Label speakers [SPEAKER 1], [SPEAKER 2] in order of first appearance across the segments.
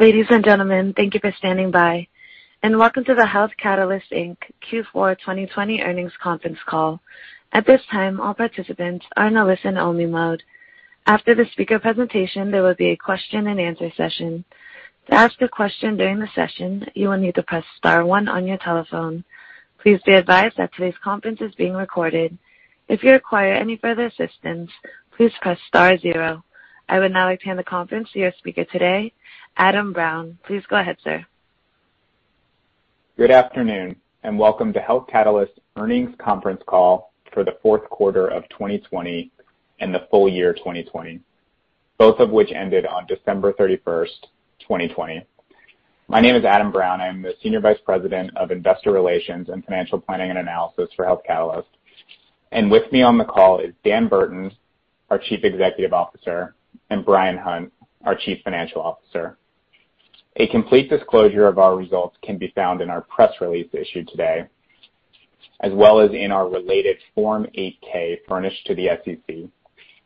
[SPEAKER 1] Ladies and gentlemen, thank you for standing by and welcome to the Health Catalyst, Inc. Q4 2020 earnings conference call. At this time, all participants are in a listen-only mode. After the speaker presentation, there will be a question and answer session. To ask a question during the session, you will need to press star one on your telephone. Please be advised that today's conference is being recorded. If you require any further assistance, please press star zero. I would now like to hand the conference to your speaker today, Adam Brown. Please go ahead, sir.
[SPEAKER 2] Good afternoon and welcome to Health Catalyst's earnings conference call for the fourth quarter of 2020 and the full year 2020, both of which ended on December 31st, 2020. My name is Adam Brown. I'm the Senior Vice President of Investor Relations and Financial Planning & Analysis for Health Catalyst. With me on the call is Dan Burton, our Chief Executive Officer, and Bryan Hunt, our Chief Financial Officer. A complete disclosure of our results can be found in our press release issued today, as well as in our related Form 8-K furnished to the SEC,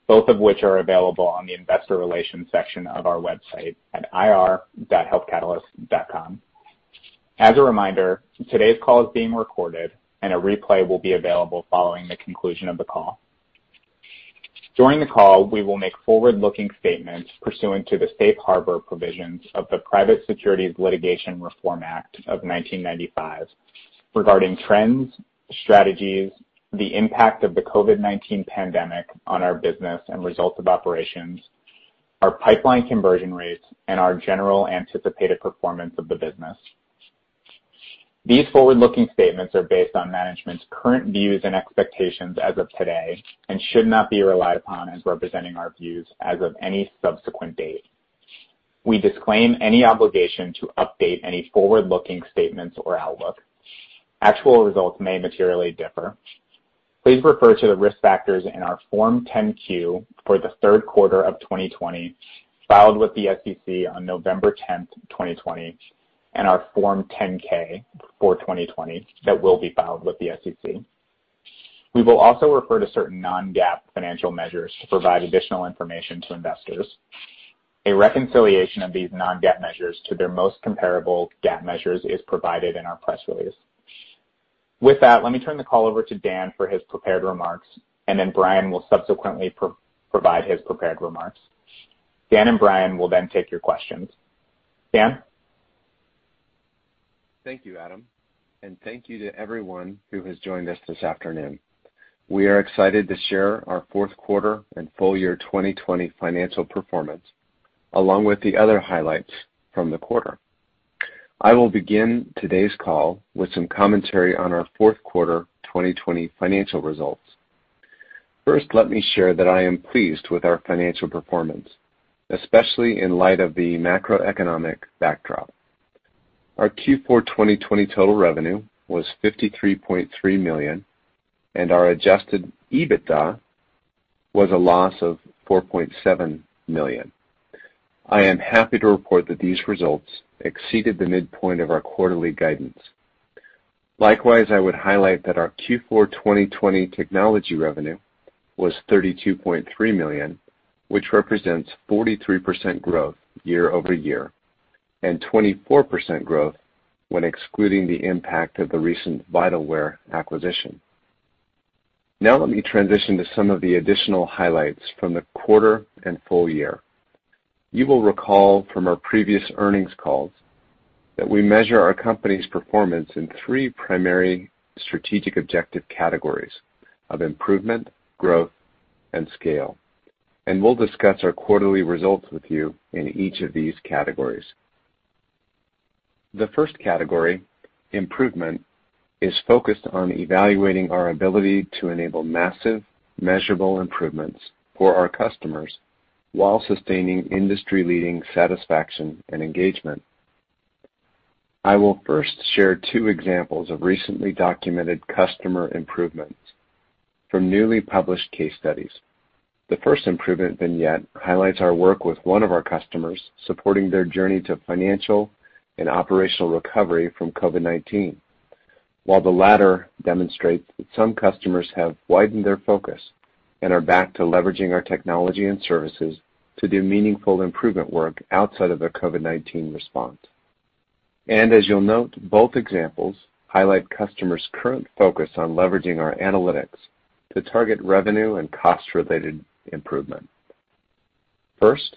[SPEAKER 2] both of which are available on the investor relations section of our website at ir.healthcatalyst.com. As a reminder, today's call is being recorded and a replay will be available following the conclusion of the call. During the call, we will make forward-looking statements pursuant to the Safe Harbor Provisions of the Private Securities Litigation Reform Act of 1995 regarding trends, strategies, the impact of the COVID-19 pandemic on our business and results of operations, our pipeline conversion rates, and our general anticipated performance of the business. These forward-looking statements are based on management's current views and expectations as of today and should not be relied upon as representing our views as of any subsequent date. We disclaim any obligation to update any forward-looking statements or outlook. Actual results may materially differ. Please refer to the risk factors in our Form 10-Q for the third quarter of 2020, filed with the SEC on November 10th, 2020, and our Form 10-K for 2020 that will be filed with the SEC. We will also refer to certain non-GAAP financial measures to provide additional information to investors. A reconciliation of these non-GAAP measures to their most comparable GAAP measures is provided in our press release. With that, let me turn the call over to Dan for his prepared remarks, and then Bryan will subsequently provide his prepared remarks. Dan and Bryan will then take your questions. Dan?
[SPEAKER 3] Thank you, Adam. Thank you to everyone who has joined us this afternoon. We are excited to share our fourth quarter and full year 2020 financial performance, along with the other highlights from the quarter. I will begin today's call with some commentary on our fourth quarter 2020 financial results. First, let me share that I am pleased with our financial performance, especially in light of the macroeconomic backdrop. Our Q4 2020 total revenue was $53.3 million, and our adjusted EBITDA was a loss of $4.7 million. I am happy to report that these results exceeded the midpoint of our quarterly guidance. Likewise, I would highlight that our Q4 2020 technology revenue was $32.3 million, which represents 43% growth year-over-year and 24% growth when excluding the impact of the recent Vitalware acquisition. Let me transition to some of the additional highlights from the quarter and full year. You will recall from our previous earnings calls that we measure our company's performance in three primary strategic objective categories of improvement, growth, and scale. We'll discuss our quarterly results with you in each of these categories. The first category, improvement, is focused on evaluating our ability to enable massive, measurable improvements for our customers while sustaining industry-leading satisfaction and engagement. I will first share two examples of recently documented customer improvements from newly published case studies. The first improvement vignette highlights our work with one of our customers supporting their journey to financial and operational recovery from COVID-19, while the latter demonstrates that some customers have widened their focus and are back to leveraging our technology and services to do meaningful improvement work outside of their COVID-19 response. As you'll note, both examples highlight customers' current focus on leveraging our analytics to target revenue and cost-related improvement. First,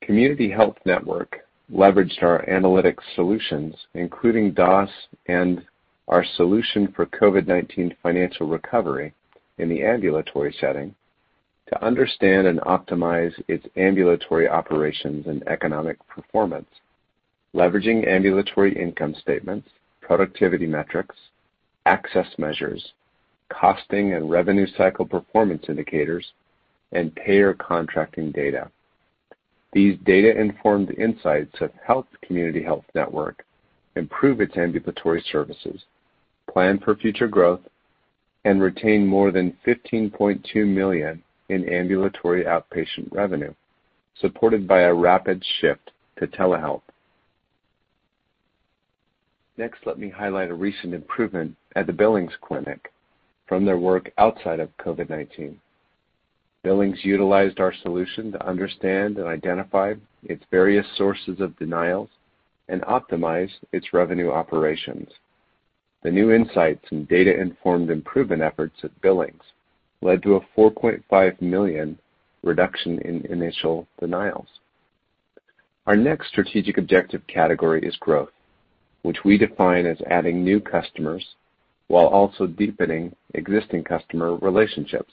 [SPEAKER 3] Community Health Network leveraged our analytics solutions, including DOS and our solution for COVID-19 financial recovery in the ambulatory setting, to understand and optimize its ambulatory operations and economic performance, leveraging ambulatory income statements, productivity metrics, access measures, costing and revenue cycle performance indicators, and payer contracting data. These data-informed insights have helped Community Health Network improve its ambulatory services, plan for future growth, and retain more than $15.2 million in ambulatory outpatient revenue, supported by a rapid shift to telehealth. Let me highlight a recent improvement at the Billings Clinic from their work outside of COVID-19. Billings utilized our solution to understand and identify its various sources of denials and optimize its revenue operations. The new insights and data-informed improvement efforts at Billings led to a $4.5 million reduction in initial denials. Our next strategic objective category is growth, which we define as adding new customers while also deepening existing customer relationships.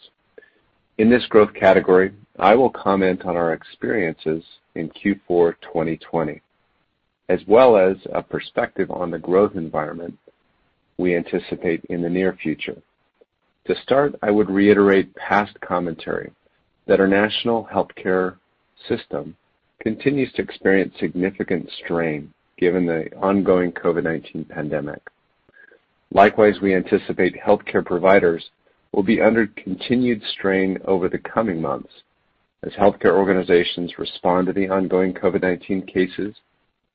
[SPEAKER 3] In this growth category, I will comment on our experiences in Q4 2020, as well as a perspective on the growth environment we anticipate in the near future. To start, I would reiterate past commentary that our national healthcare system continues to experience significant strain given the ongoing COVID-19 pandemic. Likewise, we anticipate healthcare providers will be under continued strain over the coming months as healthcare organizations respond to the ongoing COVID-19 cases,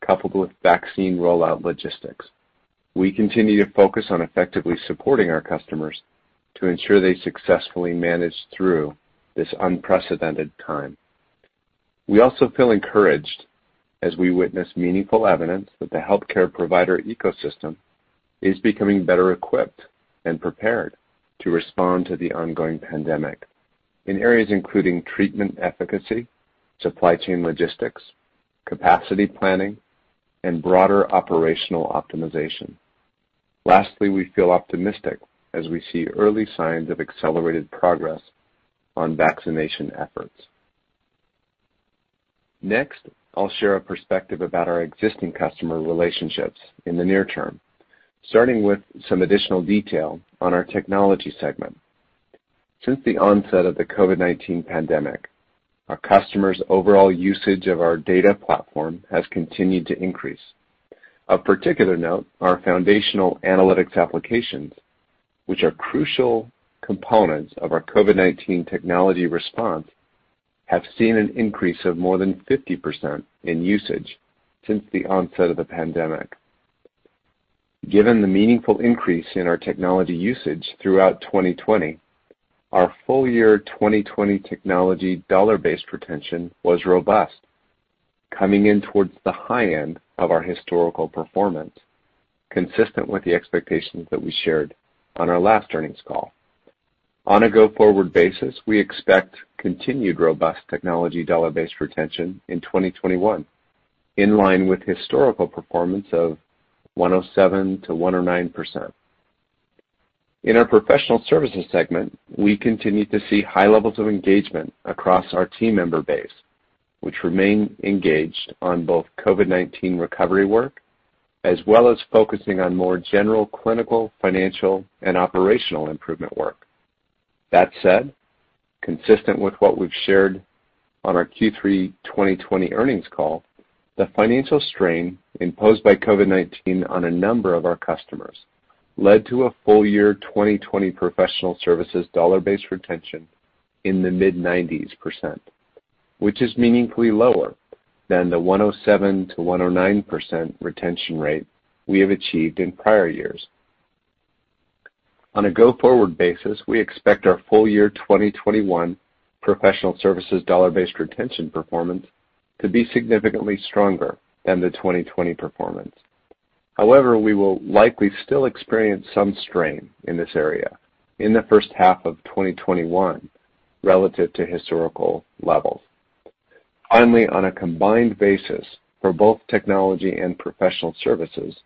[SPEAKER 3] coupled with vaccine rollout logistics. We continue to focus on effectively supporting our customers to ensure they successfully manage through this unprecedented time. We also feel encouraged as we witness meaningful evidence that the healthcare provider ecosystem is becoming better equipped and prepared to respond to the ongoing pandemic in areas including treatment efficacy, supply chain logistics, capacity planning, and broader operational optimization. Lastly, we feel optimistic as we see early signs of accelerated progress on vaccination efforts. Next, I'll share a perspective about our existing customer relationships in the near term, starting with some additional detail on our technology segment. Since the onset of the COVID-19 pandemic, our customers' overall usage of our data platform has continued to increase. Of particular note, our foundational analytics applications, which are crucial components of our COVID-19 technology response, have seen an increase of more than 50% in usage since the onset of the pandemic. Given the meaningful increase in our technology usage throughout 2020, our full year 2020 technology dollar-based retention was robust, coming in towards the high end of our historical performance, consistent with the expectations that we shared on our last earnings call. On a go-forward basis, we expect continued robust technology dollar-based retention in 2021, in line with historical performance of 107%-109%. In our professional services segment, we continue to see high levels of engagement across our team member base, which remain engaged on both COVID-19 recovery work, as well as focusing on more general clinical, financial, and operational improvement work. That said, consistent with what we've shared on our Q3 2020 earnings call, the financial strain imposed by COVID-19 on a number of our customers led to a full year 2020 professional services dollar-based retention in the mid-90s percent, which is meaningfully lower than the 107%-109% retention rate we have achieved in prior years. On a go-forward basis, we expect our full year 2021 professional services dollar-based retention performance to be significantly stronger than the 2020 performance. However, we will likely still experience some strain in this area in the first half of 2021 relative to historical levels. Finally, on a combined basis for both technology and professional services,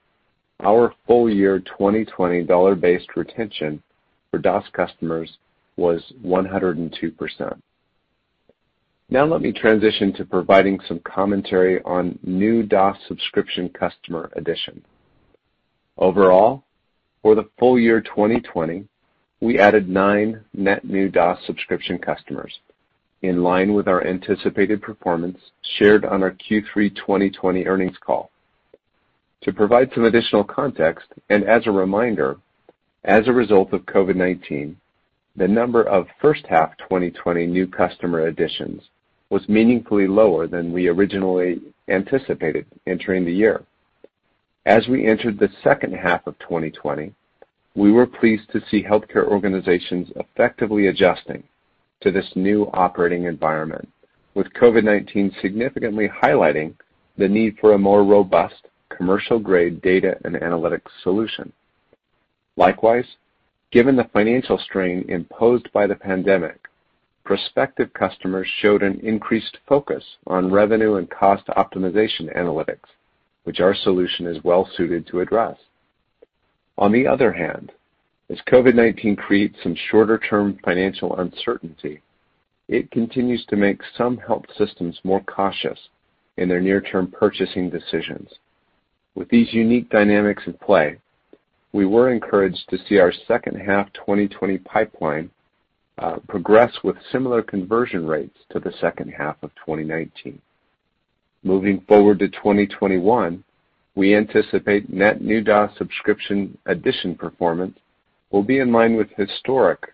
[SPEAKER 3] our full year 2020 dollar-based retention for DOS customers was 102%. Now let me transition to providing some commentary on new DOS subscription customer addition. Overall, for the full year 2020, we added nine net new DOS subscription customers, in line with our anticipated performance shared on our Q3 2020 earnings call. To provide some additional context, and as a reminder, as a result of COVID-19, the number of first half 2020 new customer additions was meaningfully lower than we originally anticipated entering the year. As we entered the second half of 2020, we were pleased to see healthcare organizations effectively adjusting to this new operating environment, with COVID-19 significantly highlighting the need for a more robust commercial-grade data and analytics solution. Likewise, given the financial strain imposed by the pandemic, prospective customers showed an increased focus on revenue and cost optimization analytics, which our solution is well suited to address. On the other hand, as COVID-19 creates some shorter-term financial uncertainty, it continues to make some health systems more cautious in their near-term purchasing decisions. With these unique dynamics in play, we were encouraged to see our second half 2020 pipeline progress with similar conversion rates to the second half of 2019. Moving forward to 2021, we anticipate net new DOS subscription addition performance will be in line with historic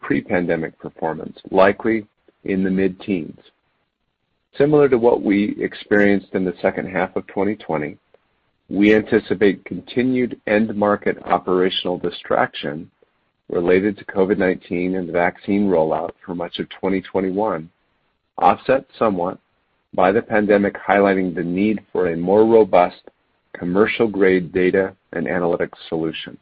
[SPEAKER 3] pre-pandemic performance, likely in the mid-teens. Similar to what we experienced in the second half of 2020, we anticipate continued end market operational distraction related to COVID-19 and the vaccine rollout for much of 2021, offset somewhat by the pandemic highlighting the need for a more robust commercial-grade data and analytics solution.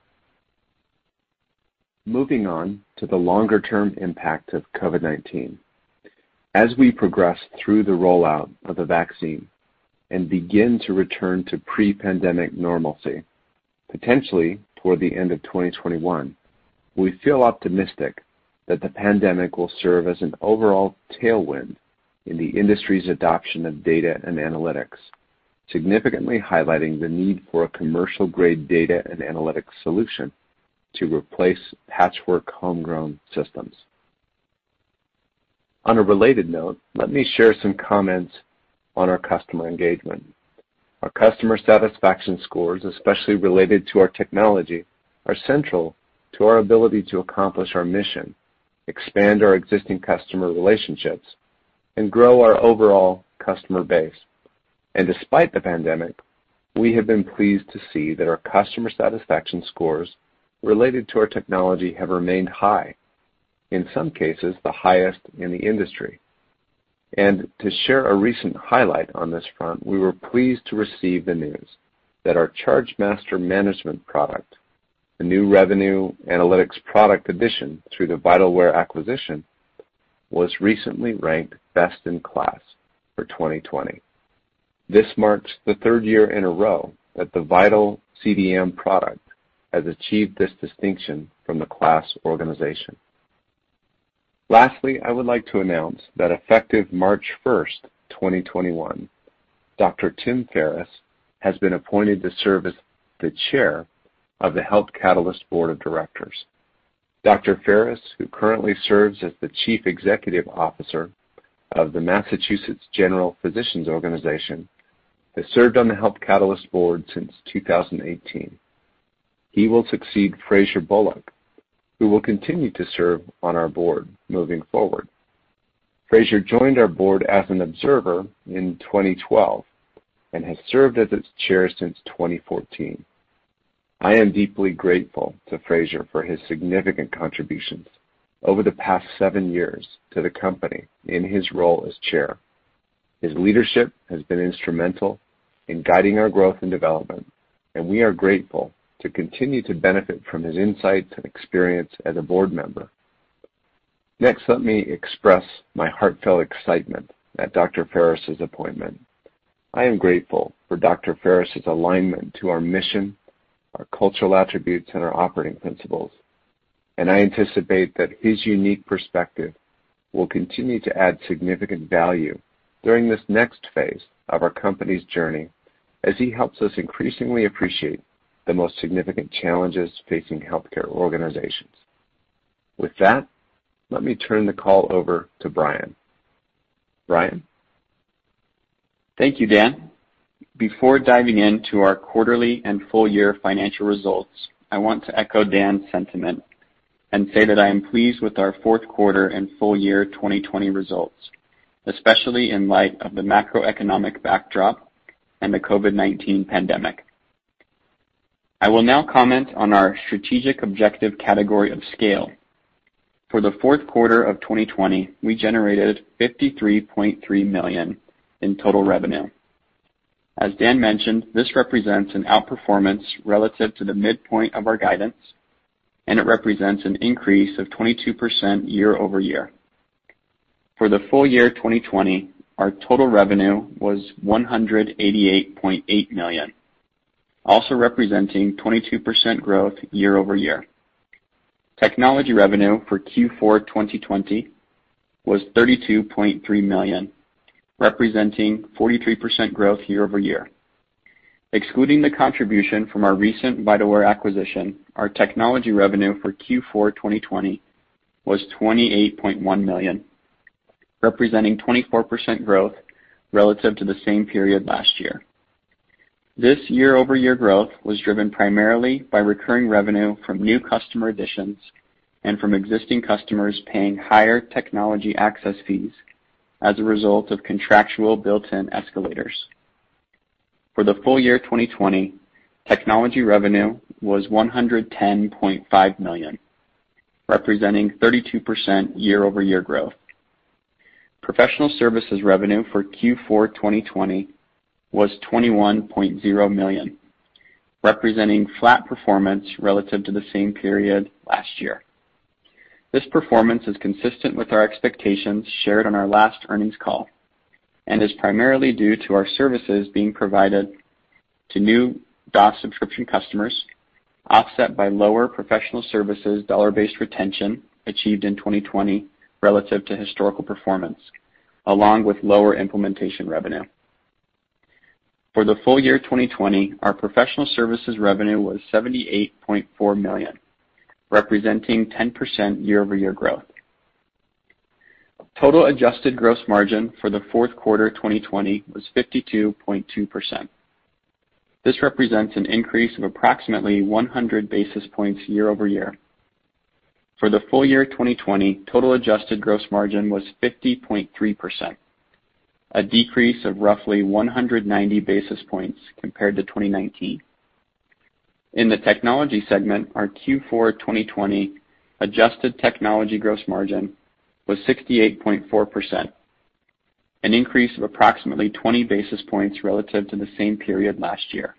[SPEAKER 3] Moving on to the longer-term impact of COVID-19. As we progress through the rollout of the vaccine and begin to return to pre-pandemic normalcy, potentially toward the end of 2021, we feel optimistic that the pandemic will serve as an overall tailwind in the industry's adoption of data and analytics, significantly highlighting the need for a commercial-grade data and analytics solution to replace patchwork homegrown systems. On a related note, let me share some comments on our customer engagement. Our customer satisfaction scores, especially related to our technology, are central to our ability to accomplish our mission, expand our existing customer relationships, and grow our overall customer base. Despite the pandemic, we have been pleased to see that our customer satisfaction scores related to our technology have remained high, in some cases the highest in the industry. To share a recent highlight on this front, we were pleased to receive the news that our chargemaster management product, a new revenue analytics product addition through the Vitalware acquisition, was recently ranked Best in KLAS for 2020. This marks the third year in a row that the VitalCDM product has achieved this distinction from the KLAS organization. Lastly, I would like to announce that effective March 1st, 2021, Dr. Tim Ferris has been appointed to serve as the chair of the Health Catalyst Board of Directors. Dr. Ferris, who currently serves as the Chief Executive Officer of the Massachusetts General Physicians Organization, has served on the Health Catalyst board since 2018. He will succeed Fraser Bullock, who will continue to serve on our board moving forward. Fraser joined our board as an observer in 2012 and has served as its chair since 2014. I am deeply grateful to Fraser for his significant contributions over the past seven years to the company in his role as chair. His leadership has been instrumental in guiding our growth and development, and we are grateful to continue to benefit from his insights and experience as a board member. Next, let me express my heartfelt excitement at Dr. Ferris's appointment. I am grateful for Dr. Ferris's alignment to our mission, our cultural attributes, and our operating principles, and I anticipate that his unique perspective will continue to add significant value during this next phase of our company's journey as he helps us increasingly appreciate the most significant challenges facing healthcare organizations. With that, let me turn the call over to Bryan. Bryan?
[SPEAKER 4] Thank you, Dan. Before diving into our quarterly and full year financial results, I want to echo Dan's sentiment and say that I am pleased with our fourth quarter and full year 2020 results, especially in light of the macroeconomic backdrop and the COVID-19 pandemic. I will now comment on our strategic objective category of scale. For the fourth quarter of 2020, we generated $53.3 million in total revenue. As Dan mentioned, this represents an outperformance relative to the midpoint of our guidance, and it represents an increase of 22% year-over-year. For the full year 2020, our total revenue was $188.8 million, also representing 22% growth year-over-year. Technology revenue for Q4 2020 was $32.3 million, representing 43% growth year-over-year. Excluding the contribution from our recent Vitalware acquisition, our technology revenue for Q4 2020 was $28.1 million, representing 24% growth relative to the same period last year. This year-over-year growth was driven primarily by recurring revenue from new customer additions and from existing customers paying higher technology access fees as a result of contractual built-in escalators. For the full year 2020, technology revenue was $110.5 million, representing 32% year-over-year growth. Professional services revenue for Q4 2020 was $21.0 million, representing flat performance relative to the same period last year. This performance is consistent with our expectations shared on our last earnings call and is primarily due to our services being provided to new DOS subscription customers, offset by lower professional services dollar-based retention achieved in 2020 relative to historical performance, along with lower implementation revenue. For the full year 2020, our professional services revenue was $78.4 million, representing 10% year-over-year growth. Total adjusted gross margin for the fourth quarter 2020 was 52.2%. This represents an increase of approximately 100 basis points year-over-year. For the full year 2020, total adjusted gross margin was 50.3%, a decrease of roughly 190 basis points compared to 2019. In the technology segment, our Q4 2020 adjusted technology gross margin was 68.4%, an increase of approximately 20 basis points relative to the same period last year.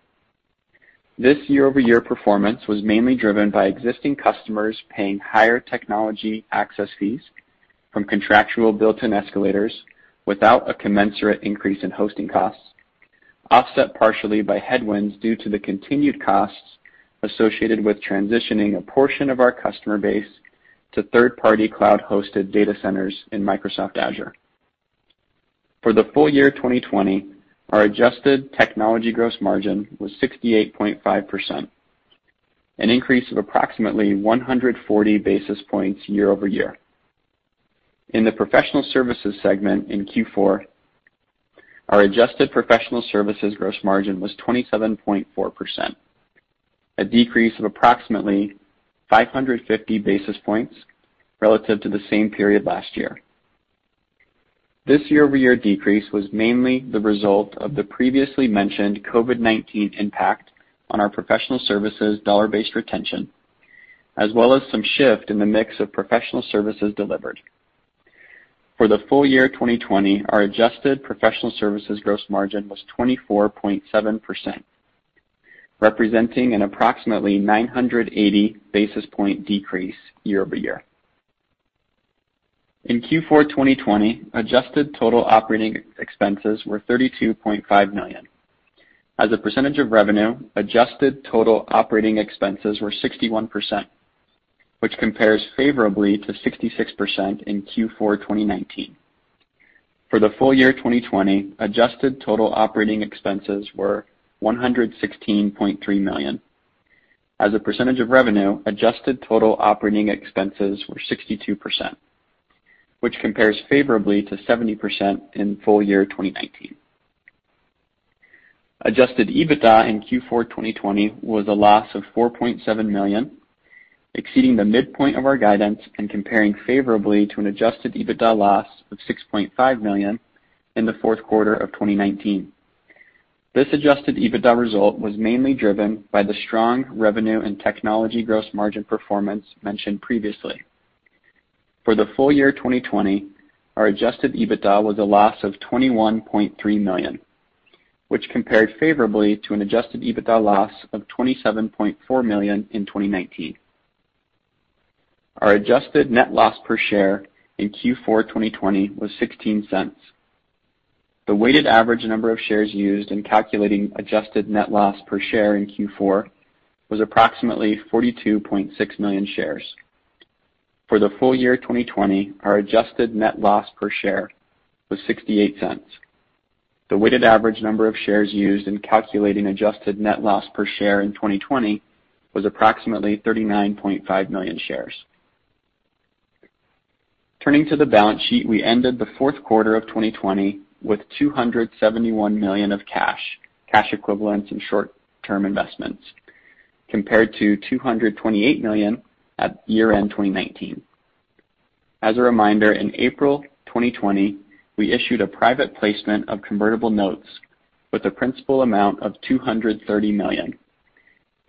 [SPEAKER 4] This year-over-year performance was mainly driven by existing customers paying higher technology access fees from contractual built-in escalators without a commensurate increase in hosting costs, offset partially by headwinds due to the continued costs associated with transitioning a portion of our customer base to third-party cloud-hosted data centers in Microsoft Azure. For the full year 2020, our adjusted technology gross margin was 68.5%, an increase of approximately 140 basis points year-over-year. In the professional services segment in Q4, our adjusted professional services gross margin was 27.4%, a decrease of approximately 550 basis points relative to the same period last year. This year-over-year decrease was mainly the result of the previously mentioned COVID-19 impact on our professional services dollar-based retention, as well as some shift in the mix of professional services delivered. For the full year 2020, our adjusted professional services gross margin was 24.7%, representing an approximately 980 basis point decrease year-over-year. In Q4 2020, adjusted total operating expenses were $32.5 million. As a percentage of revenue, adjusted total operating expenses were 61%, which compares favorably to 66% in Q4 2019. For the full year 2020, adjusted total operating expenses were $116.3 million. As a percentage of revenue, adjusted total operating expenses were 62%, which compares favorably to 70% in full year 2019. Adjusted EBITDA in Q4 2020 was a loss of $4.7 million, exceeding the midpoint of our guidance and comparing favorably to an adjusted EBITDA loss of $6.5 million in the fourth quarter of 2019. This adjusted EBITDA result was mainly driven by the strong revenue and technology gross margin performance mentioned previously. For the full year 2020, our adjusted EBITDA was a loss of $21.3 million, which compared favorably to an adjusted EBITDA loss of $27.4 million in 2019. Our adjusted net loss per share in Q4 2020 was $0.16. The weighted average number of shares used in calculating adjusted net loss per share in Q4 was approximately 42.6 million shares. For the full year 2020, our adjusted net loss per share was $0.68. The weighted average number of shares used in calculating adjusted net loss per share in 2020 was approximately 39.5 million shares. Turning to the balance sheet, we ended the fourth quarter of 2020 with $271 million of cash, cash equivalents, and short-term investments, compared to $228 million at year-end 2019. As a reminder, in April 2020, we issued a private placement of convertible notes with a principal amount of $230 million,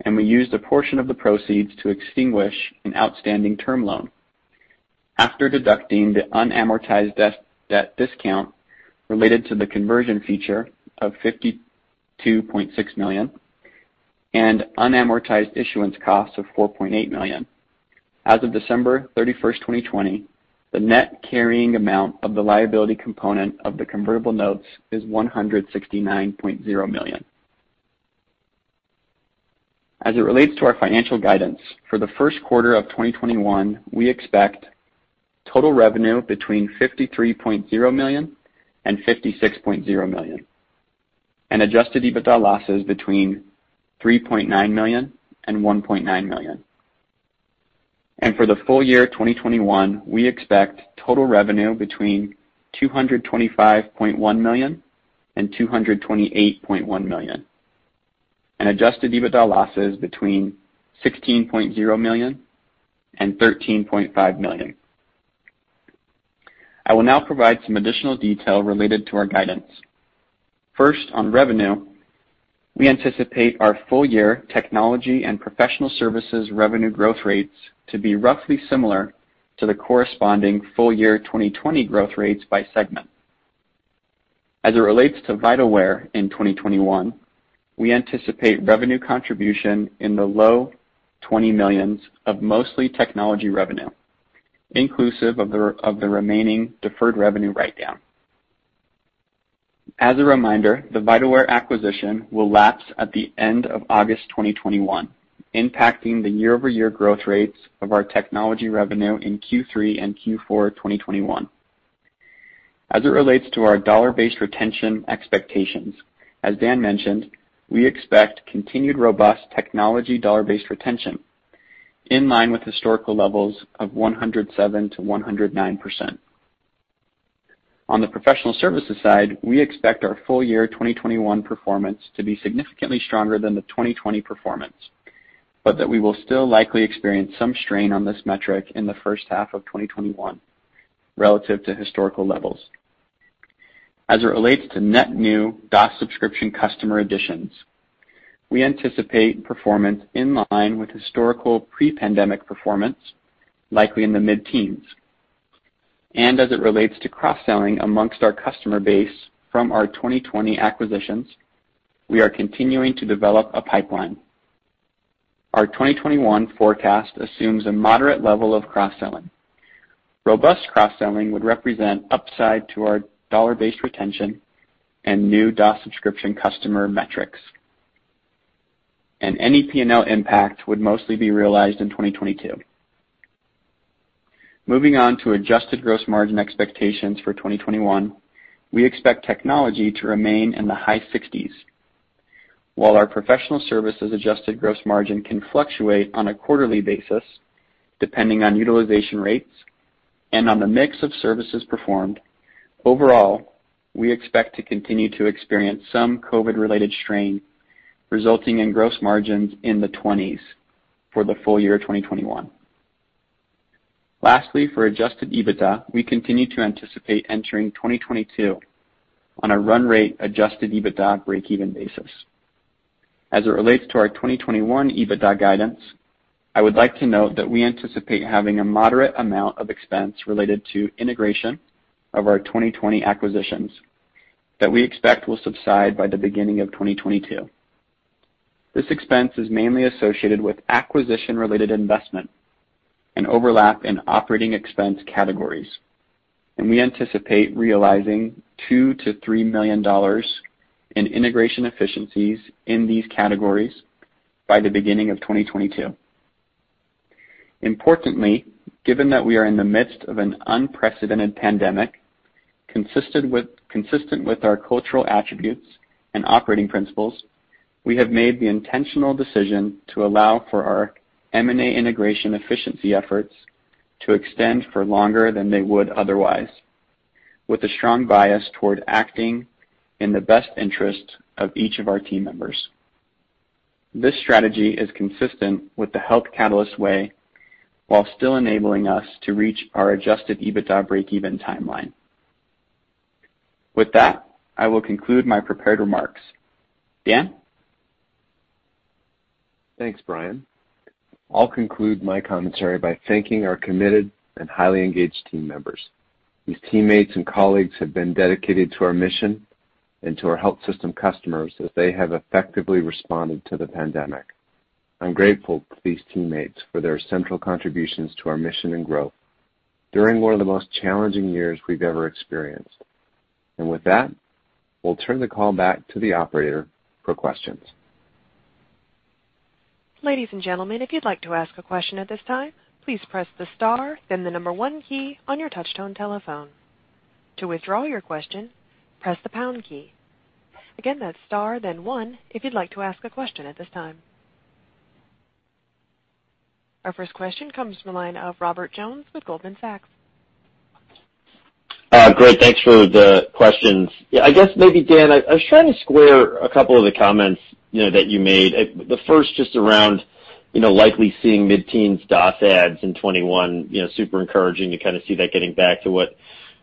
[SPEAKER 4] and we used a portion of the proceeds to extinguish an outstanding term loan. After deducting the unamortized debt discount related to the conversion feature of $52.6 million and unamortized issuance costs of $4.8 million, as of December 31st, 2020, the net carrying amount of the liability component of the convertible notes is $169.0 million. As it relates to our financial guidance, for the first quarter of 2021, we expect total revenue between $53.0 million and $56.0 million and adjusted EBITDA losses between $3.9 million and $1.9 million. For the full year 2021, we expect total revenue between $225.1 million and $228.1 million and adjusted EBITDA losses between $16.0 million and $13.5 million. I will now provide some additional detail related to our guidance. First, on revenue, we anticipate our full year technology and professional services revenue growth rates to be roughly similar to the corresponding full year 2020 growth rates by segment. As it relates to Vitalware in 2021, we anticipate revenue contribution in the low $20 millions of mostly technology revenue, inclusive of the remaining deferred revenue write-down. As a reminder, the Vitalware acquisition will lapse at the end of August 2021, impacting the year-over-year growth rates of our technology revenue in Q3 and Q4 2021. As it relates to our dollar-based retention expectations, as Dan mentioned, we expect continued robust technology dollar-based retention in line with historical levels of 107%-109%. On the professional services side, we expect our full year 2021 performance to be significantly stronger than the 2020 performance, but that we will still likely experience some strain on this metric in the first half of 2021 relative to historical levels. As it relates to net new DOS subscription customer additions, we anticipate performance in line with historical pre-pandemic performance, likely in the mid-teens. As it relates to cross-selling amongst our customer base from our 2020 acquisitions, we are continuing to develop a pipeline. Our 2021 forecast assumes a moderate level of cross-selling. Robust cross-selling would represent upside to our dollar-based retention and new DOS subscription customer metrics. Any P&L impact would mostly be realized in 2022. Moving on to adjusted gross margin expectations for 2021, we expect technology to remain in the high 60s, while our professional services adjusted gross margin can fluctuate on a quarterly basis depending on utilization rates and on the mix of services performed. Overall, we expect to continue to experience some COVID-related strain, resulting in gross margins in the 20s for the full year 2021. Lastly, for adjusted EBITDA, we continue to anticipate entering 2022 on a run rate adjusted EBITDA breakeven basis. As it relates to our 2021 EBITDA guidance, I would like to note that we anticipate having a moderate amount of expense related to integration of our 2020 acquisitions that we expect will subside by the beginning of 2022. This expense is mainly associated with acquisition-related investment and overlap in operating expense categories, and we anticipate realizing $2 million-$3 million in integration efficiencies in these categories by the beginning of 2022. Importantly, given that we are in the midst of an unprecedented pandemic, consistent with our cultural attributes and operating principles, we have made the intentional decision to allow for our M&A integration efficiency efforts to extend for longer than they would otherwise, with a strong bias toward acting in the best interest of each of our team members. This strategy is consistent with the Health Catalyst way, while still enabling us to reach our adjusted EBITDA breakeven timeline. With that, I will conclude my prepared remarks. Dan?
[SPEAKER 3] Thanks, Bryan. I'll conclude my commentary by thanking our committed and highly engaged team members. These teammates and colleagues have been dedicated to our mission and to our health system customers as they have effectively responded to the pandemic. I'm grateful for these teammates for their central contributions to our mission and growth during one of the most challenging years we've ever experienced. With that, we'll turn the call back to the operator for questions.
[SPEAKER 1] Ladies and gentlemen, if you would like to ask a question at this time, please press the star then the number one key on your touch-tone telephone. To withdraw your question, press the pound key. Again, that's star then one if you would like to ask a question this time. Our first question comes from the line of Robert Jones with Goldman Sachs.
[SPEAKER 5] Great, thanks for the questions. I guess maybe, Dan, I was trying to square a couple of the comments that you made. The first just around likely seeing mid-teens DOS adds in 2021, super encouraging to kind of see that getting back to what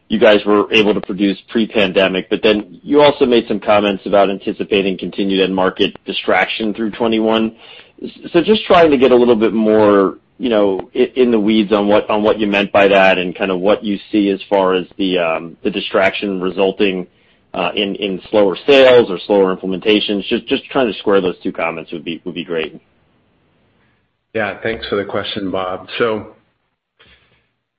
[SPEAKER 5] you guys were able to produce pre-pandemic. You also made some comments about anticipating continued end market distraction through 2021. Just trying to get a little bit more in the weeds on what you meant by that and what you see as far as the distraction resulting in slower sales or slower implementations. Just trying to square those two comments would be great.
[SPEAKER 3] Yeah, thanks for the question, Bob.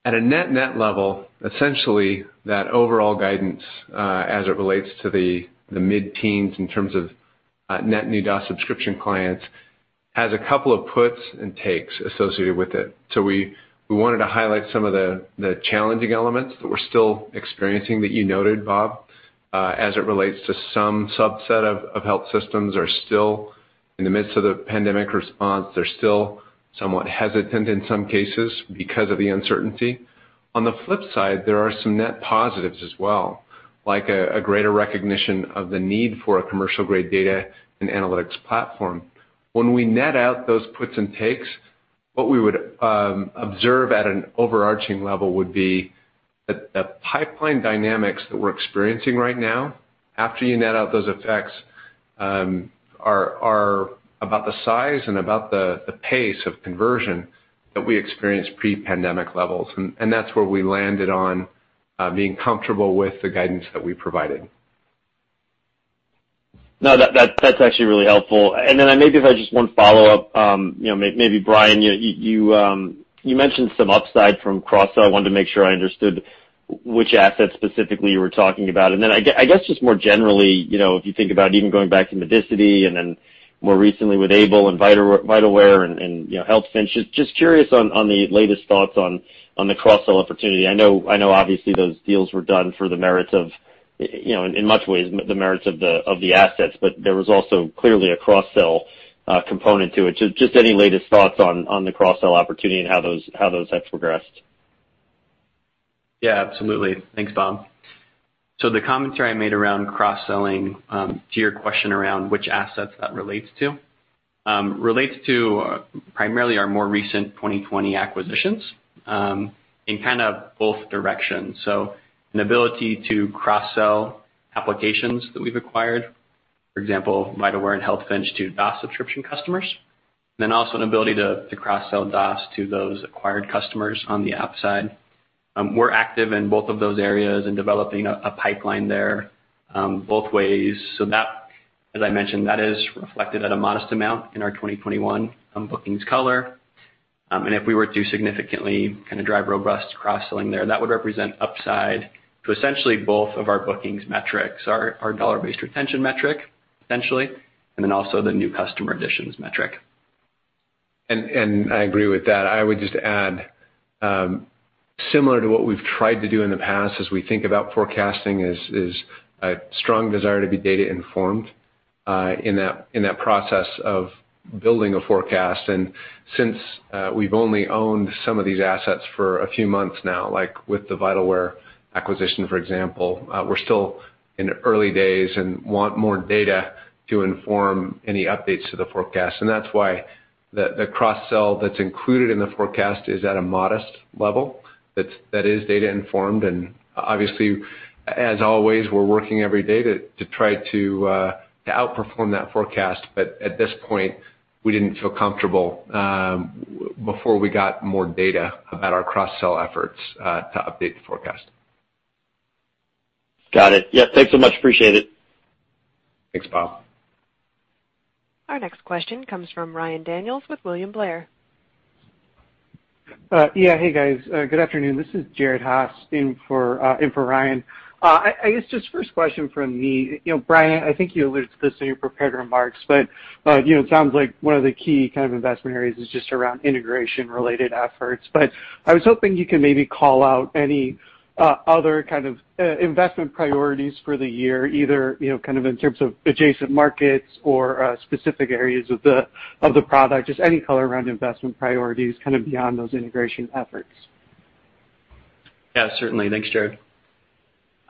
[SPEAKER 3] At a net-net level, essentially that overall guidance, as it relates to the mid-teens in terms of net new DOS subscription clients, has a couple of puts and takes associated with it. We wanted to highlight some of the challenging elements that we're still experiencing that you noted, Bob, as it relates to some subset of health systems are still in the midst of the pandemic response. They're still somewhat hesitant in some cases because of the uncertainty. On the flip side, there are some net positives as well, like a greater recognition of the need for a commercial-grade data and analytics platform. When we net out those puts and takes, what we would observe at an overarching level would be that the pipeline dynamics that we're experiencing right now after you net out those effects are about the size and about the pace of conversion that we experienced pre-pandemic levels. That's where we landed on being comfortable with the guidance that we provided.
[SPEAKER 5] No, that's actually really helpful. Maybe if I just one follow-up. Maybe Bryan, you mentioned some upside from cross-sell. I wanted to make sure I understood which assets specifically you were talking about. I guess just more generally, if you think about even going back to Medicity and more recently with Able and Vitalware and healthfinch, just curious on the latest thoughts on the cross-sell opportunity. I know obviously those deals were done for the merits of the assets, but there was also clearly a cross-sell component to it. Just any latest thoughts on the cross-sell opportunity and how those have progressed.
[SPEAKER 4] Yeah, absolutely. Thanks, Bob. The commentary I made around cross-selling, to your question around which assets that relates to, relates to primarily our more recent 2020 acquisitions, in kind of both directions. An ability to cross-sell applications that we've acquired, for example, Vitalware and healthfinch to DOS subscription customers. Also an ability to cross-sell DOS to those acquired customers on the app side. We're active in both of those areas in developing a pipeline there, both ways. That, as I mentioned, that is reflected at a modest amount in our 2021 bookings color. If we were to significantly drive robust cross-selling there, that would represent upside to essentially both of our bookings metrics, our dollar-based retention metric essentially, and then also the new customer additions metric.
[SPEAKER 3] I agree with that. I would just add, similar to what we've tried to do in the past as we think about forecasting, is a strong desire to be data informed, in that process of building a forecast. Since we've only owned some of these assets for a few months now, like with the Vitalware acquisition, for example, we're still in the early days and want more data to inform any updates to the forecast. That's why the cross-sell that's included in the forecast is at a modest level that is data informed. Obviously, as always, we're working every day to try to outperform that forecast. At this point, we didn't feel comfortable, before we got more data about our cross-sell efforts, to update the forecast.
[SPEAKER 5] Got it. Yeah, thanks so much. Appreciate it.
[SPEAKER 3] Thanks, Bob.
[SPEAKER 1] Our next question comes from Ryan Daniels with William Blair.
[SPEAKER 6] Hey, guys. Good afternoon. This is Jared Haase in for Ryan. I guess just first question from me. Bryan, I think you alluded to this in your prepared remarks, but it sounds like one of the key kind of investment areas is just around integration-related efforts. I was hoping you can maybe call out any other kind of investment priorities for the year, either in terms of adjacent markets or specific areas of the product, just any color around investment priorities kind of beyond those integration efforts.
[SPEAKER 4] Certainly. Thanks, Jared.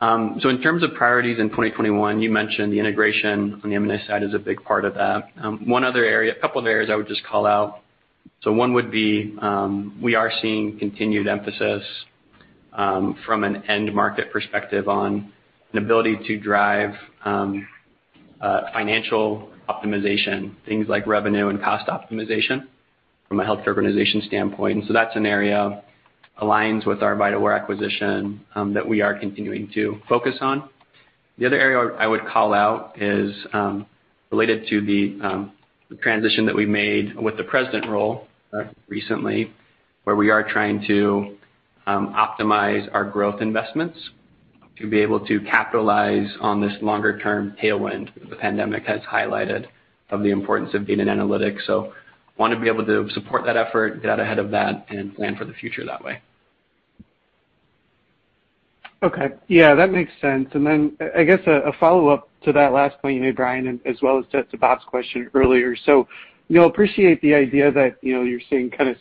[SPEAKER 4] In terms of priorities in 2021, you mentioned the integration on the M&A side is a big part of that. One other area, a couple of areas I would just call out. One would be, we are seeing continued emphasis from an end market perspective on an ability to drive financial optimization, things like revenue and cost optimization from a healthcare organization standpoint. That's an area aligns with our Vitalware acquisition, that we are continuing to focus on. The other area I would call out is related to the transition that we made with the president role recently, where we are trying to optimize our growth investments to be able to capitalize on this longer-term tailwind that the pandemic has highlighted of the importance of data and analytics. Want to be able to support that effort, get out ahead of that, and plan for the future that way.
[SPEAKER 6] Okay. Yeah, that makes sense. I guess a follow-up to that last point you made, Bryan, as well as to Bob's question earlier. Appreciate the idea that you're seeing kind of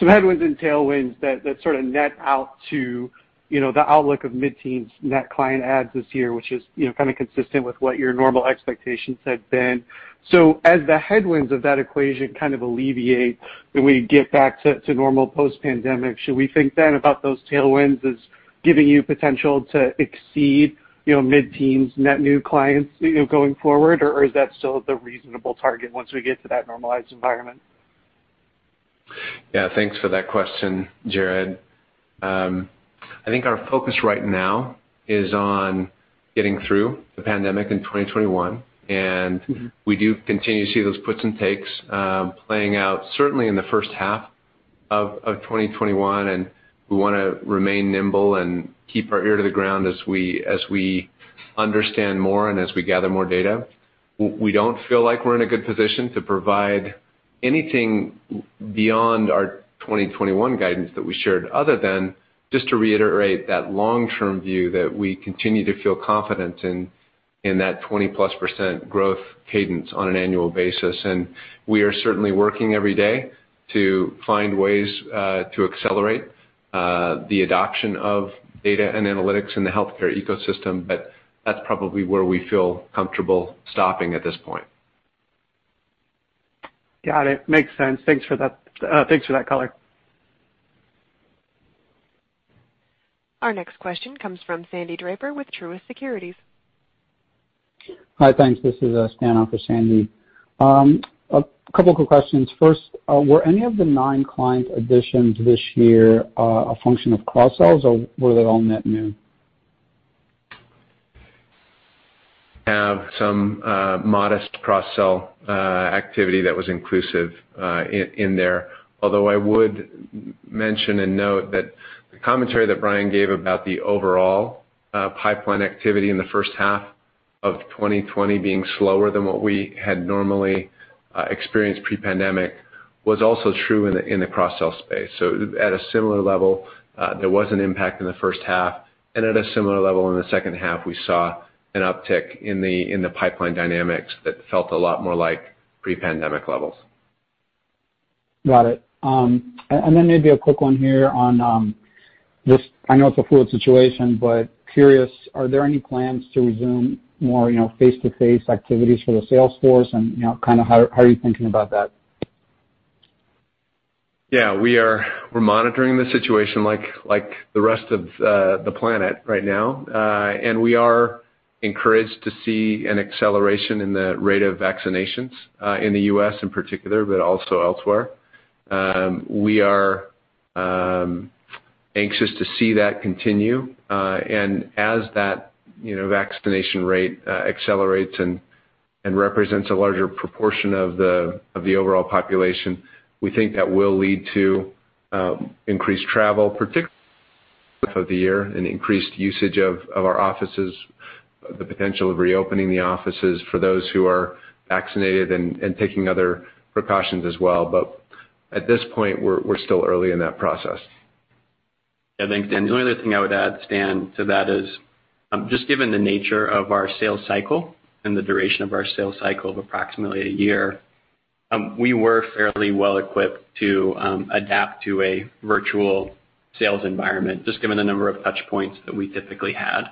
[SPEAKER 6] some headwinds and tailwinds that sort of net out to the outlook of mid-teens net client adds this year, which is consistent with what your normal expectations had been. As the headwinds of that equation kind of alleviate when we get back to normal post-pandemic, should we think then about those tailwinds as giving you potential to exceed mid-teens net new clients going forward? Is that still the reasonable target once we get to that normalized environment?
[SPEAKER 3] Yeah. Thanks for that question, Jared. I think our focus right now is on getting through the pandemic in 2021. We do continue to see those puts and takes playing out certainly in the first half of 2021, and we want to remain nimble and keep our ear to the ground as we understand more and as we gather more data. We don't feel like we're in a good position to provide anything beyond our 2021 guidance that we shared, other than just to reiterate that long-term view that we continue to feel confident in that 20%+ growth cadence on an annual basis. We are certainly working every day to find ways to accelerate the adoption of data and analytics in the healthcare ecosystem. That's probably where we feel comfortable stopping at this point.
[SPEAKER 6] Got it. Makes sense. Thanks for that color.
[SPEAKER 1] Our next question comes from Sandy Draper with Truist Securities.
[SPEAKER 7] Hi, thanks. This is Stan on for Sandy. A couple quick questions. First, were any of the nine client additions this year a function of cross-sells, or were they all net new?
[SPEAKER 3] Have some modest cross-sell activity that was inclusive in there. I would mention and note that the commentary that Bryan gave about the overall pipeline activity in the first half of 2020 being slower than what we had normally experienced pre-pandemic was also true in the cross-sell space. At a similar level, there was an impact in the first half, and at a similar level in the second half, we saw an uptick in the pipeline dynamics that felt a lot more like pre-pandemic levels.
[SPEAKER 7] Got it. Maybe a quick one here on this, I know it's a fluid situation, but curious, are there any plans to resume more face-to-face activities for the sales force? And how are you thinking about that?
[SPEAKER 3] Yeah, we're monitoring the situation like the rest of the planet right now. We are encouraged to see an acceleration in the rate of vaccinations, in the U.S. in particular, but also elsewhere. We are anxious to see that continue. As that vaccination rate accelerates and represents a larger proportion of the overall population, we think that will lead to increased travel, particularly for the year, and increased usage of our offices, the potential of reopening the offices for those who are vaccinated and taking other precautions as well. At this point, we're still early in that process.
[SPEAKER 4] Yeah, thanks, Dan. The only other thing I would add, Stan, to that is, just given the nature of our sales cycle and the duration of our sales cycle of approximately a year, we were fairly well equipped to adapt to a virtual sales environment, just given the number of touch points that we typically had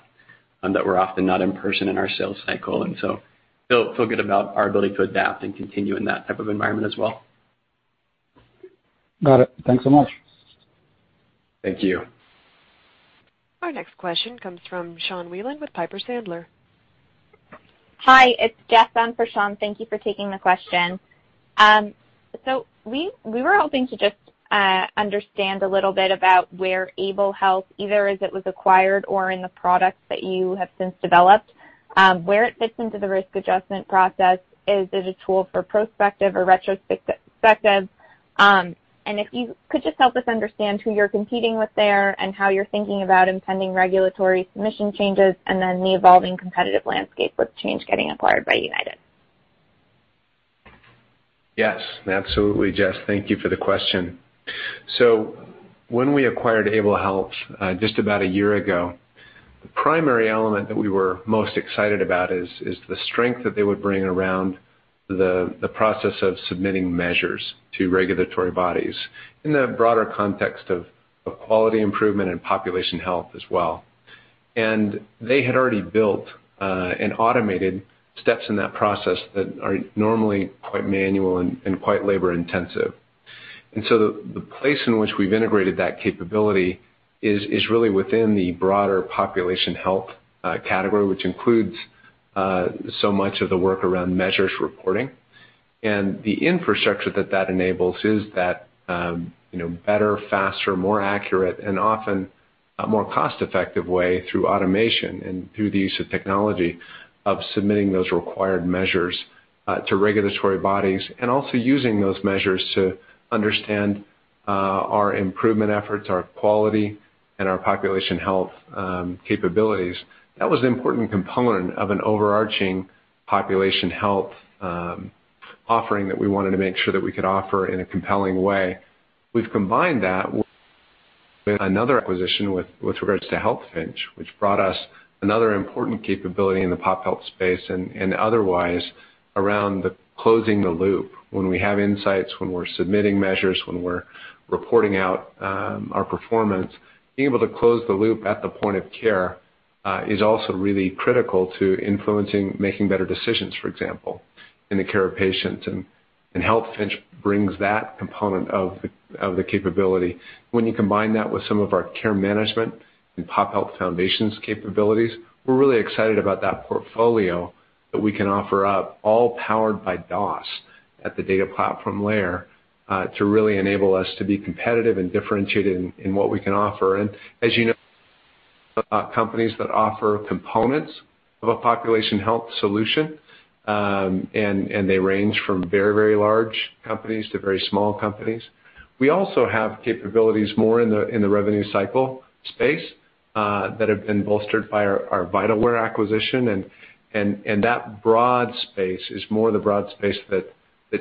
[SPEAKER 4] that were often not in person in our sales cycle. So feel good about our ability to adapt and continue in that type of environment as well.
[SPEAKER 7] Got it. Thanks so much.
[SPEAKER 4] Thank you.
[SPEAKER 1] Our next question comes from Sean Wieland with Piper Sandler.
[SPEAKER 8] Hi, it's Jess on for Sean. Thank you for taking the question. We were hoping to just understand a little bit about where Able Health, either as it was acquired or in the products that you have since developed, where it fits into the risk adjustment process. Is it a tool for prospective or retrospective? If you could just help us understand who you're competing with there and how you're thinking about impending regulatory submission changes and then the evolving competitive landscape with Change getting acquired by United.
[SPEAKER 3] Yes, absolutely, Jess. Thank you for the question. When we acquired Able Health just about a year ago, the primary element that we were most excited about is the strength that they would bring around the process of submitting measures to regulatory bodies in the broader context of quality improvement and population health as well. They had already built and automated steps in that process that are normally quite manual and quite labor intensive. The place in which we've integrated that capability is really within the broader population health category, which includes so much of the work around measures reporting. The infrastructure that that enables is that better, faster, more accurate, and often a more cost-effective way through automation and through the use of technology of submitting those required measures to regulatory bodies and also using those measures to understand our improvement efforts, our quality, and our population health capabilities. That was an important component of an overarching population health offering that we wanted to make sure that we could offer in a compelling way. We've combined that with another acquisition with regards to healthfinch, which brought us another important capability in the pop health space and otherwise around the closing the loop. When we have insights, when we're submitting measures, when we're reporting out our performance, being able to close the loop at the point of care, is also really critical to influencing making better decisions, for example, in the care of patients. healthfinch brings that component of the capability. When you combine that with some of our care management and pop health foundations capabilities, we're really excited about that portfolio that we can offer up, all powered by DOS at the data platform layer, to really enable us to be competitive and differentiated in what we can offer. As you know, companies that offer components of a population health solution, and they range from very, very large companies to very small companies. We also have capabilities more in the revenue cycle space, that have been bolstered by our Vitalware acquisition. That broad space is more the broad space that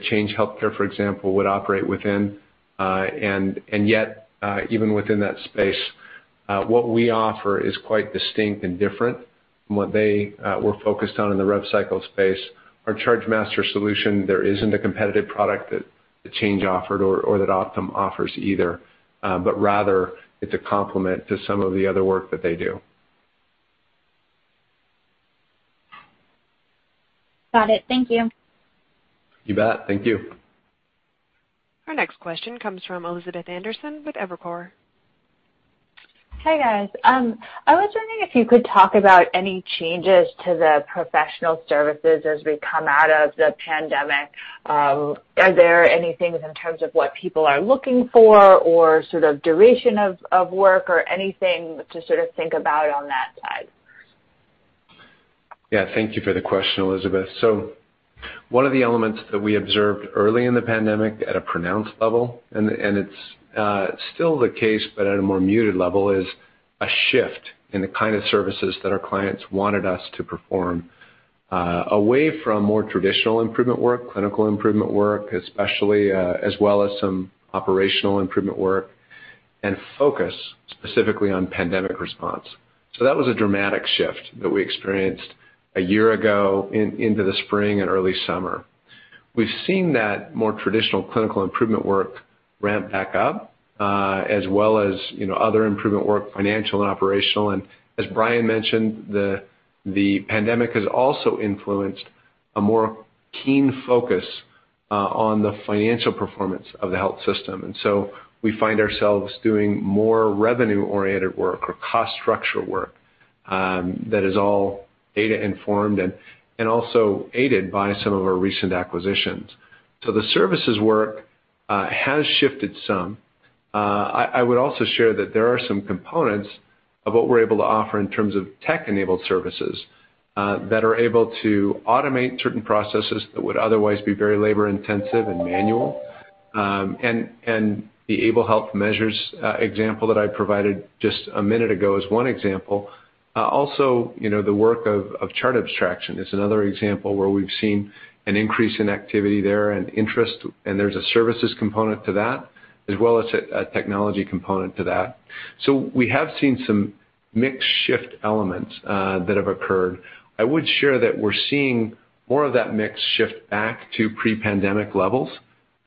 [SPEAKER 3] Change Healthcare, for example, would operate within. Yet, even within that space, what we offer is quite distinct and different from what they were focused on in the rev cycle space. Our chargemaster solution, there isn't a competitive product that Change offered or that Optum offers either. Rather, it's a complement to some of the other work that they do.
[SPEAKER 8] Got it. Thank you.
[SPEAKER 3] You bet. Thank you.
[SPEAKER 1] Our next question comes from Elizabeth Anderson with Evercore.
[SPEAKER 9] Hi, guys. I was wondering if you could talk about any changes to the professional services as we come out of the pandemic? Are there any things in terms of what people are looking for or sort of duration of work or anything to sort of think about on that side?
[SPEAKER 3] Thank you for the question, Elizabeth. One of the elements that we observed early in the pandemic at a pronounced level, and it's still the case but at a more muted level, is a shift in the kind of services that our clients wanted us to perform, away from more traditional improvement work, clinical improvement work, especially, as well as some operational improvement work, and focus specifically on pandemic response. That was a dramatic shift that we experienced a year ago into the spring and early summer. We've seen that more traditional clinical improvement work ramp back up, as well as other improvement work, financial and operational. As Bryan mentioned, the pandemic has also influenced a more keen focus on the financial performance of the health system. We find ourselves doing more revenue-oriented work or cost structure work that is all data informed and also aided by some of our recent acquisitions. The services work has shifted some. I would also share that there are some components of what we're able to offer in terms of tech-enabled services that are able to automate certain processes that would otherwise be very labor-intensive and manual. The Able Health measures example that I provided just a minute ago is one example. Also, the work of chart abstraction is another example where we've seen an increase in activity there and interest, and there's a services component to that, as well as a technology component to that. We have seen some mix shift elements that have occurred. I would share that we're seeing more of that mix shift back to pre-pandemic levels,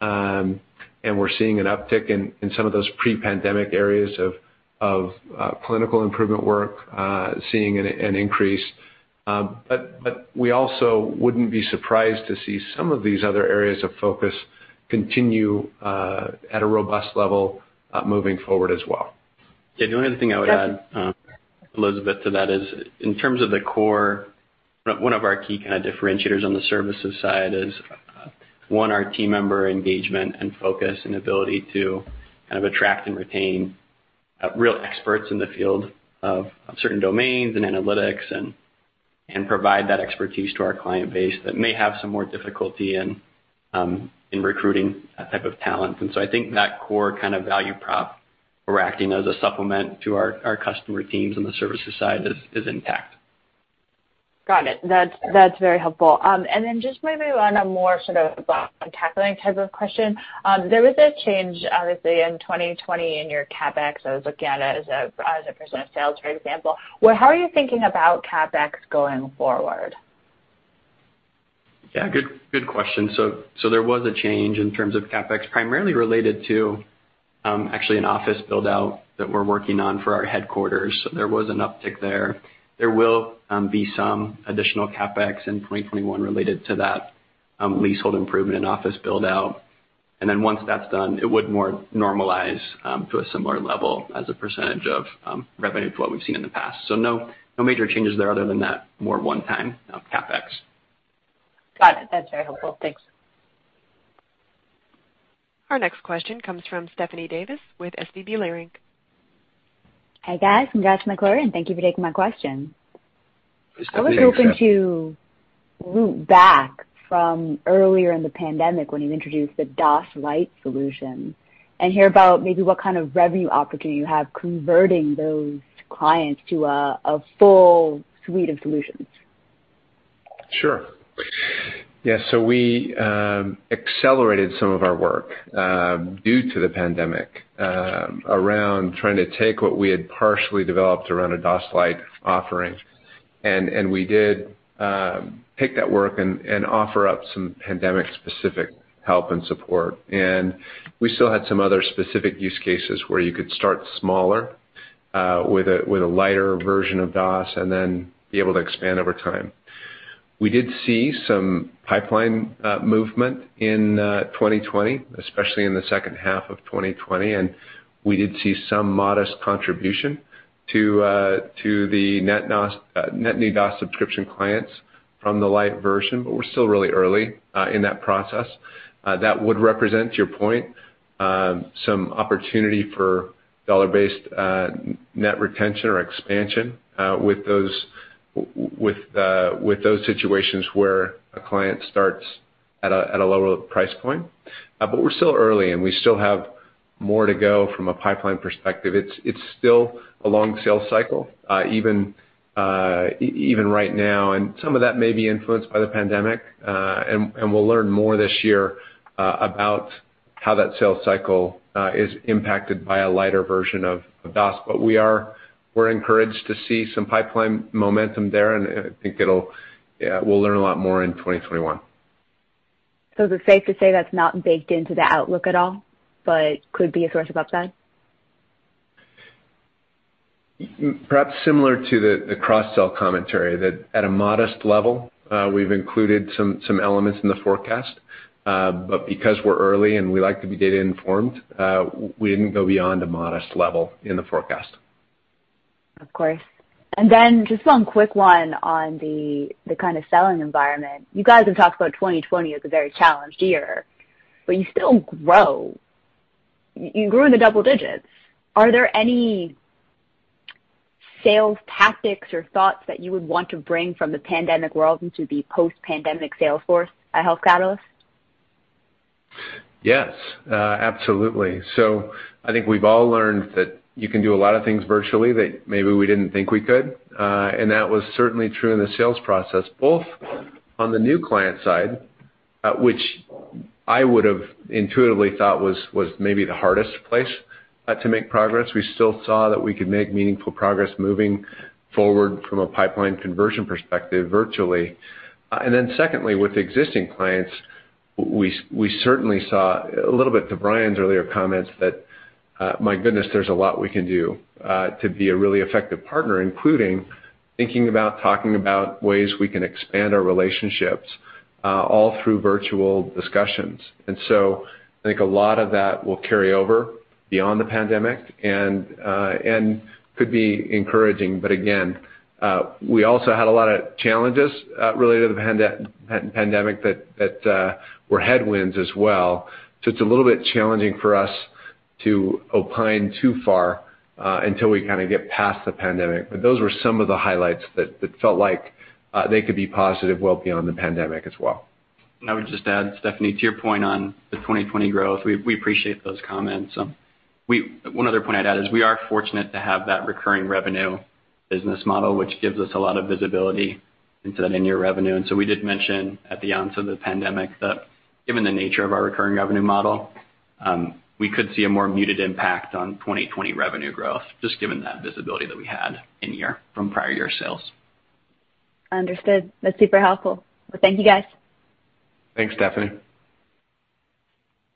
[SPEAKER 3] and we're seeing an uptick in some of those pre-pandemic areas of clinical improvement work, seeing an increase. We also wouldn't be surprised to see some of these other areas of focus continue at a robust level moving forward as well.
[SPEAKER 4] Yeah. The only other thing I would add, Elizabeth, to that is in terms of the core, one of our key differentiators on the services side is, one, our team member engagement and focus and ability to attract and retain real experts in the field of certain domains and analytics, and provide that expertise to our client base that may have some more difficulty in recruiting that type of talent. I think that core value prop, where we're acting as a supplement to our customer teams on the services side is intact.
[SPEAKER 9] Got it. That's very helpful. Just maybe one more sort of type of question. There was a change, obviously, in 2020 in your CapEx. I was looking at it as a percent of sales, for example. How are you thinking about CapEx going forward?
[SPEAKER 4] Yeah, good question. There was a change in terms of CapEx, primarily related to, actually, an office build-out that we're working on for our headquarters. There was an uptick there. There will be some additional CapEx in 2021 related to that leasehold improvement and office build-out. Once that's done, it would more normalize to a similar level as a percentage of revenue to what we've seen in the past. No major changes there other than that more one-time CapEx.
[SPEAKER 9] Got it. That's very helpful. Thanks.
[SPEAKER 1] Our next question comes from Stephanie Davis with SVB Leerink.
[SPEAKER 10] Hi, guys. Congrats on the quarter, and thank you for taking my question.
[SPEAKER 3] Stephanie, yeah.
[SPEAKER 10] I was hoping to loop back from earlier in the pandemic when you introduced the DOS Lite Solution and hear about maybe what kind of revenue opportunity you have converting those clients to a full suite of solutions.
[SPEAKER 3] Sure. Yeah, we accelerated some of our work due to the pandemic around trying to take what we had partially developed around a DOS Lite offering. We did pick that work and offer up some pandemic-specific help and support. We still had some other specific use cases where you could start smaller with a lighter version of DOS and then be able to expand over time. We did see some pipeline movement in 2020, especially in the second half of 2020, and we did see some modest contribution to the net new DOS subscription clients from the Lite version, but we're still really early in that process. That would represent, to your point, some opportunity for dollar-based net retention or expansion with those situations where a client starts at a lower price point. We're still early, and we still have more to go from a pipeline perspective. It's still a long sales cycle, even right now, and some of that may be influenced by the pandemic. We'll learn more this year about how that sales cycle is impacted by a lighter version of DOS. We're encouraged to see some pipeline momentum there, and I think we'll learn a lot more in 2021.
[SPEAKER 10] Is it safe to say that's not baked into the outlook at all, but could be a source of upside?
[SPEAKER 3] Perhaps similar to the cross-sell commentary that at a modest level, we've included some elements in the forecast. Because we're early and we like to be data informed, we didn't go beyond a modest level in the forecast.
[SPEAKER 10] Of course. Just one quick one on the kind of selling environment. You guys have talked about 2020 as a very challenged year, but you still grow. You grew in the double digits. Are there any sales tactics or thoughts that you would want to bring from the pandemic world into the post-pandemic sales force at Health Catalyst?
[SPEAKER 3] Yes, absolutely. I think we've all learned that you can do a lot of things virtually that maybe we didn't think we could. That was certainly true in the sales process, both on the new client side, which I would have intuitively thought was maybe the hardest place to make progress. We still saw that we could make meaningful progress moving forward from a pipeline conversion perspective virtually. Secondly, with existing clients, we certainly saw a little bit to Bryan's earlier comments that, my goodness, there's a lot we can do, to be a really effective partner, including thinking about talking about ways we can expand our relationships, all through virtual discussions. I think a lot of that will carry over beyond the pandemic and could be encouraging. Again, we also had a lot of challenges related to the pandemic that were headwinds as well. It's a little bit challenging for us to opine too far, until we kind of get past the pandemic. Those were some of the highlights that felt like they could be positive well beyond the pandemic as well.
[SPEAKER 4] I would just add, Stephanie, to your point on the 2020 growth, we appreciate those comments. One other point I'd add is we are fortunate to have that recurring revenue business model, which gives us a lot of visibility into that in-year revenue. We did mention at the onset of the pandemic that given the nature of our recurring revenue model, we could see a more muted impact on 2020 revenue growth, just given that visibility that we had in year from prior year sales.
[SPEAKER 10] Understood. That's super helpful. Well, thank you, guys.
[SPEAKER 3] Thanks, Stephanie.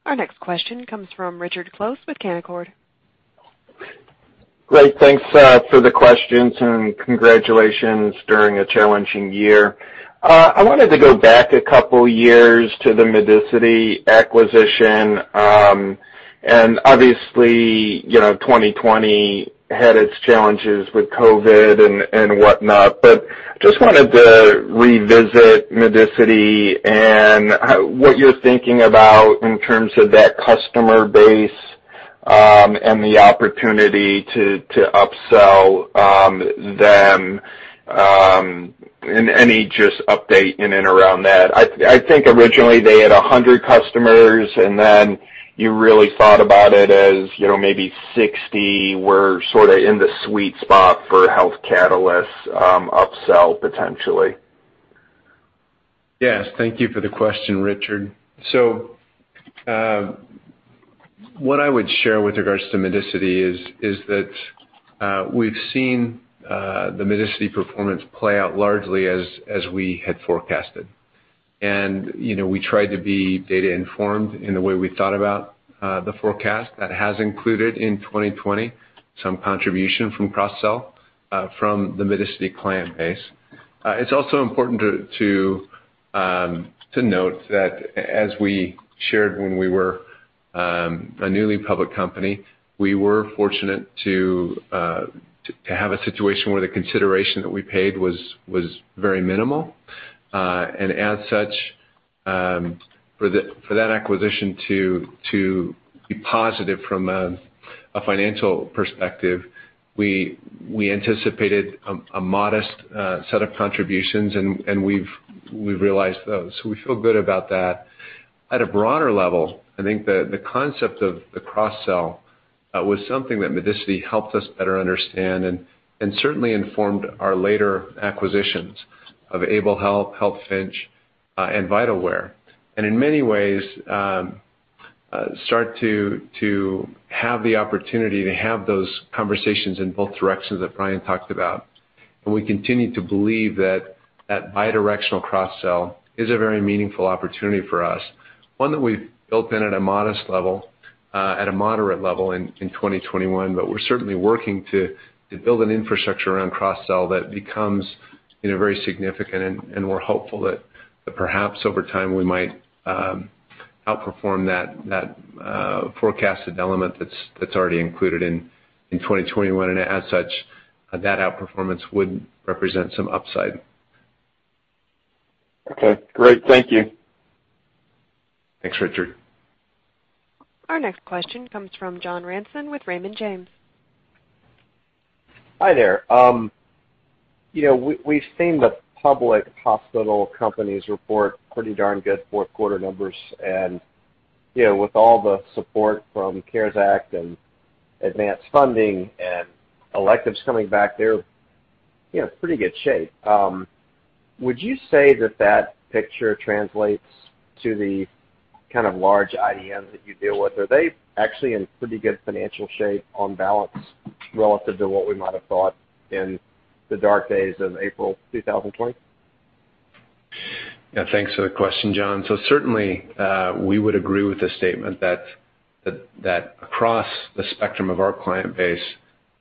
[SPEAKER 1] Our next question comes from Richard Close with Canaccord.
[SPEAKER 11] Great. Thanks for the questions, and congratulations during a challenging year. I wanted to go back a couple years to the Medicity acquisition. Obviously, 2020 had its challenges with COVID and whatnot. Just wanted to revisit Medicity and what you're thinking about in terms of that customer base, and the opportunity to upsell them, and any just update in and around that. I think originally they had 100 customers, and then you really thought about it as maybe 60 were sort of in the sweet spot for Health Catalyst upsell potentially.
[SPEAKER 3] Yes. Thank you for the question, Richard. What I would share with regards to Medicity is that we've seen the Medicity performance play out largely as we had forecasted. We tried to be data informed in the way we thought about the forecast that has included, in 2020, some contribution from cross-sell, from the Medicity client base. It's also important to note that as we shared when we were a newly public company, we were fortunate to have a situation where the consideration that we paid was very minimal. As such, for that acquisition to be positive from a financial perspective, we anticipated a modest set of contributions, and we've realized those. We feel good about that. At a broader level, I think the concept of the cross-sell was something that Medicity helped us better understand and certainly informed our later acquisitions of Able Health, healthfinch, and Vitalware. In many ways, start to have the opportunity to have those conversations in both directions that Bryan talked about. We continue to believe that that bi-directional cross-sell is a very meaningful opportunity for us, one that we've built in at a modest level, at a moderate level in 2021. We're certainly working to build an infrastructure around cross-sell that becomes very significant, and we're hopeful that perhaps over time we might outperform that forecasted element that's already included in 2021, and as such, that outperformance would represent some upside.
[SPEAKER 11] Okay, great. Thank you.
[SPEAKER 3] Thanks, Richard.
[SPEAKER 1] Our next question comes from John Ransom with Raymond James.
[SPEAKER 12] Hi there. We've seen the public hospital companies report pretty darn good fourth quarter numbers and with all the support from CARES Act and advanced funding and electives coming back, they're in pretty good shape. Would you say that that picture translates to the kind of large IDNs that you deal with? Are they actually in pretty good financial shape on balance relative to what we might have thought in the dark days of April 2020?
[SPEAKER 3] Yeah. Thanks for the question, John. Certainly, we would agree with the statement that across the spectrum of our client base,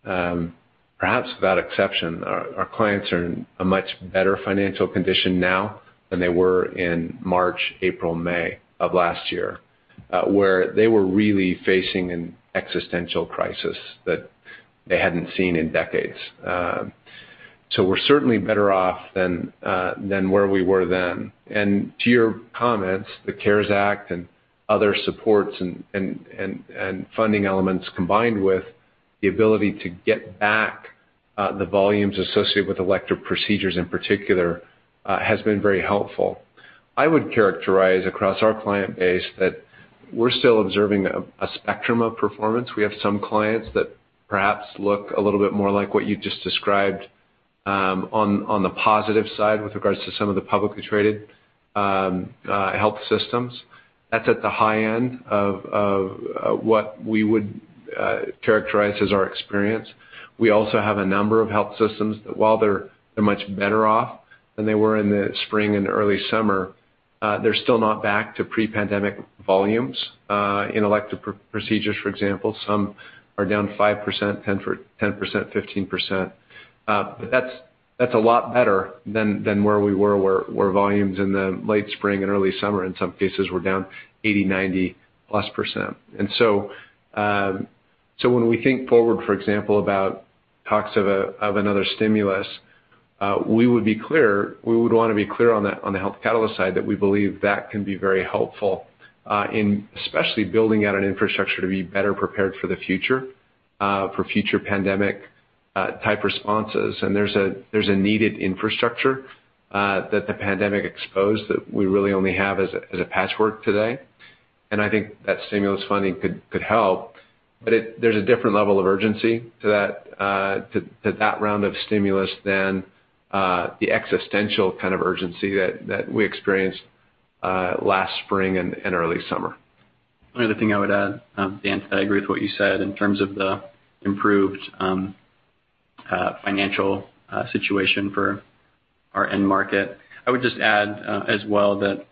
[SPEAKER 3] perhaps without exception, our clients are in a much better financial condition now than they were in March, April, May of last year, where they were really facing an existential crisis that they hadn't seen in decades. We're certainly better off than where we were then. To your comments, the CARES Act and other supports and funding elements, combined with the ability to get back the volumes associated with elective procedures in particular, has been very helpful. I would characterize across our client base that we're still observing a spectrum of performance. We have some clients that perhaps look a little bit more like what you just described on the positive side with regards to some of the publicly traded health systems. That's at the high end of what we would characterize as our experience. We also have a number of health systems that while they're much better off than they were in the spring and early summer, they're still not back to pre-pandemic volumes. In elective procedures, for example, some are down 5%, 10%, 15%. That's a lot better than where we were, where volumes in the late spring and early summer in some cases were down 80%, 90%+. When we think forward, for example, about talks of another stimulus, we would want to be clear on the Health Catalyst side that we believe that can be very helpful, in especially building out an infrastructure to be better prepared for the future pandemic-type responses. There's a needed infrastructure that the pandemic exposed that we really only have as a patchwork today. I think that stimulus funding could help, but there's a different level of urgency to that round of stimulus than the existential kind of urgency that we experienced last spring and early summer.
[SPEAKER 4] Another thing I would add, Dan, I agree with what you said in terms of the improved financial situation for our end market. I would just add as well that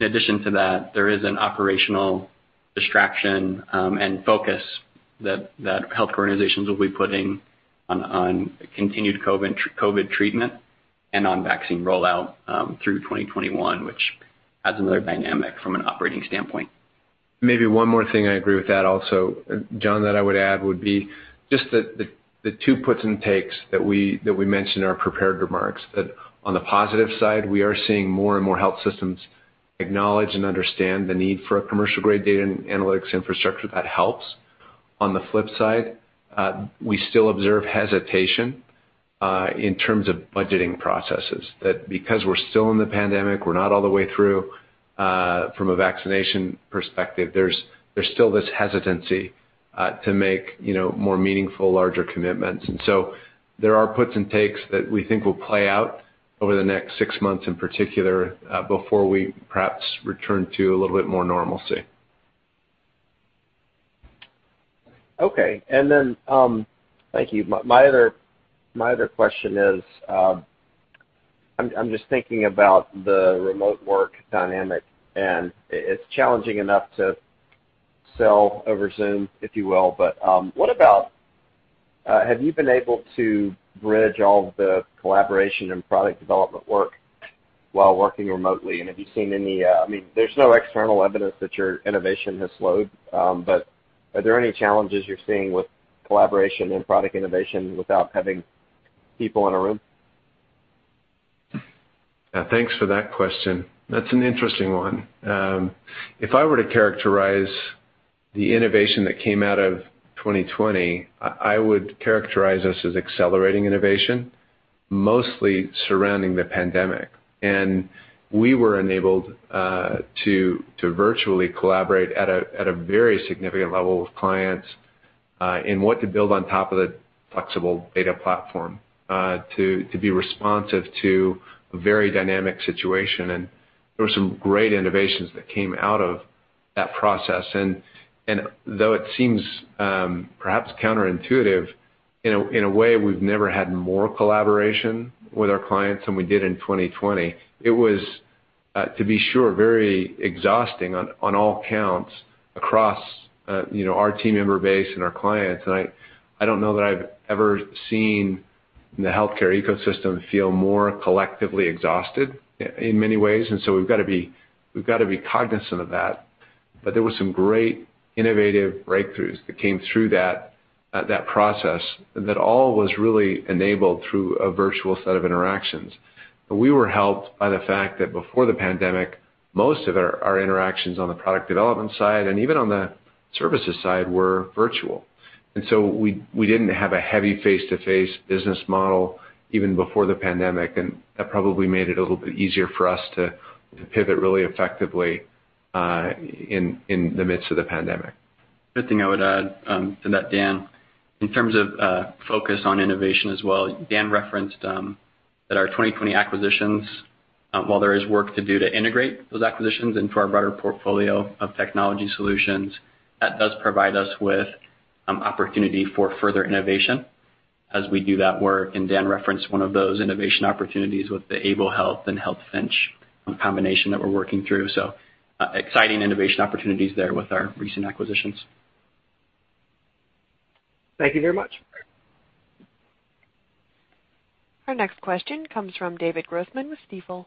[SPEAKER 4] in addition to that, there is an operational distraction and focus that healthcare organizations will be putting on continued COVID treatment and on vaccine rollout through 2021, which adds another dynamic from an operating standpoint.
[SPEAKER 3] Maybe one more thing, I agree with that also, John, that I would add would be just that the two puts and takes that we mentioned in our prepared remarks, that on the positive side, we are seeing more and more health systems acknowledge and understand the need for a commercial-grade data and analytics infrastructure that helps. On the flip side, we still observe hesitation in terms of budgeting processes. Because we're still in the pandemic, we're not all the way through from a vaccination perspective, there's still this hesitancy to make more meaningful, larger commitments. There are puts and takes that we think will play out over the next six months in particular, before we perhaps return to a little bit more normalcy.
[SPEAKER 12] Okay. Thank you. My other question is, I'm just thinking about the remote work dynamic, and it's challenging enough to sell over Zoom, if you will. Have you been able to bridge all the collaboration and product development work while working remotely? There's no external evidence that your innovation has slowed, but are there any challenges you're seeing with collaboration and product innovation without having people in a room?
[SPEAKER 3] Thanks for that question. That's an interesting one. If I were to characterize the innovation that came out of 2020, I would characterize us as accelerating innovation, mostly surrounding the pandemic. We were enabled to virtually collaborate at a very significant level with clients in what to build on top of the flexible data platform to be responsive to a very dynamic situation. There were some great innovations that came out of that process. Though it seems perhaps counterintuitive, in a way we've never had more collaboration with our clients than we did in 2020. It was, to be sure, very exhausting on all counts across our team member base and our clients. I don't know that I've ever seen the healthcare ecosystem feel more collectively exhausted in many ways. We've got to be cognizant of that. There were some great innovative breakthroughs that came through that process, and that all was really enabled through a virtual set of interactions. We were helped by the fact that before the pandemic, most of our interactions on the product development side and even on the services side were virtual. We didn't have a heavy face-to-face business model even before the pandemic, and that probably made it a little bit easier for us to pivot really effectively in the midst of the pandemic.
[SPEAKER 4] Good thing I would add to that, Dan, in terms of focus on innovation as well, Dan referenced that our 2020 acquisitions, while there is work to do to integrate those acquisitions into our broader portfolio of technology solutions, that does provide us with opportunity for further innovation as we do that work. Dan referenced one of those innovation opportunities with the Able Health and healthfinch combination that we're working through. Exciting innovation opportunities there with our recent acquisitions.
[SPEAKER 12] Thank you very much.
[SPEAKER 1] Our next question comes from David Grossman with Stifel.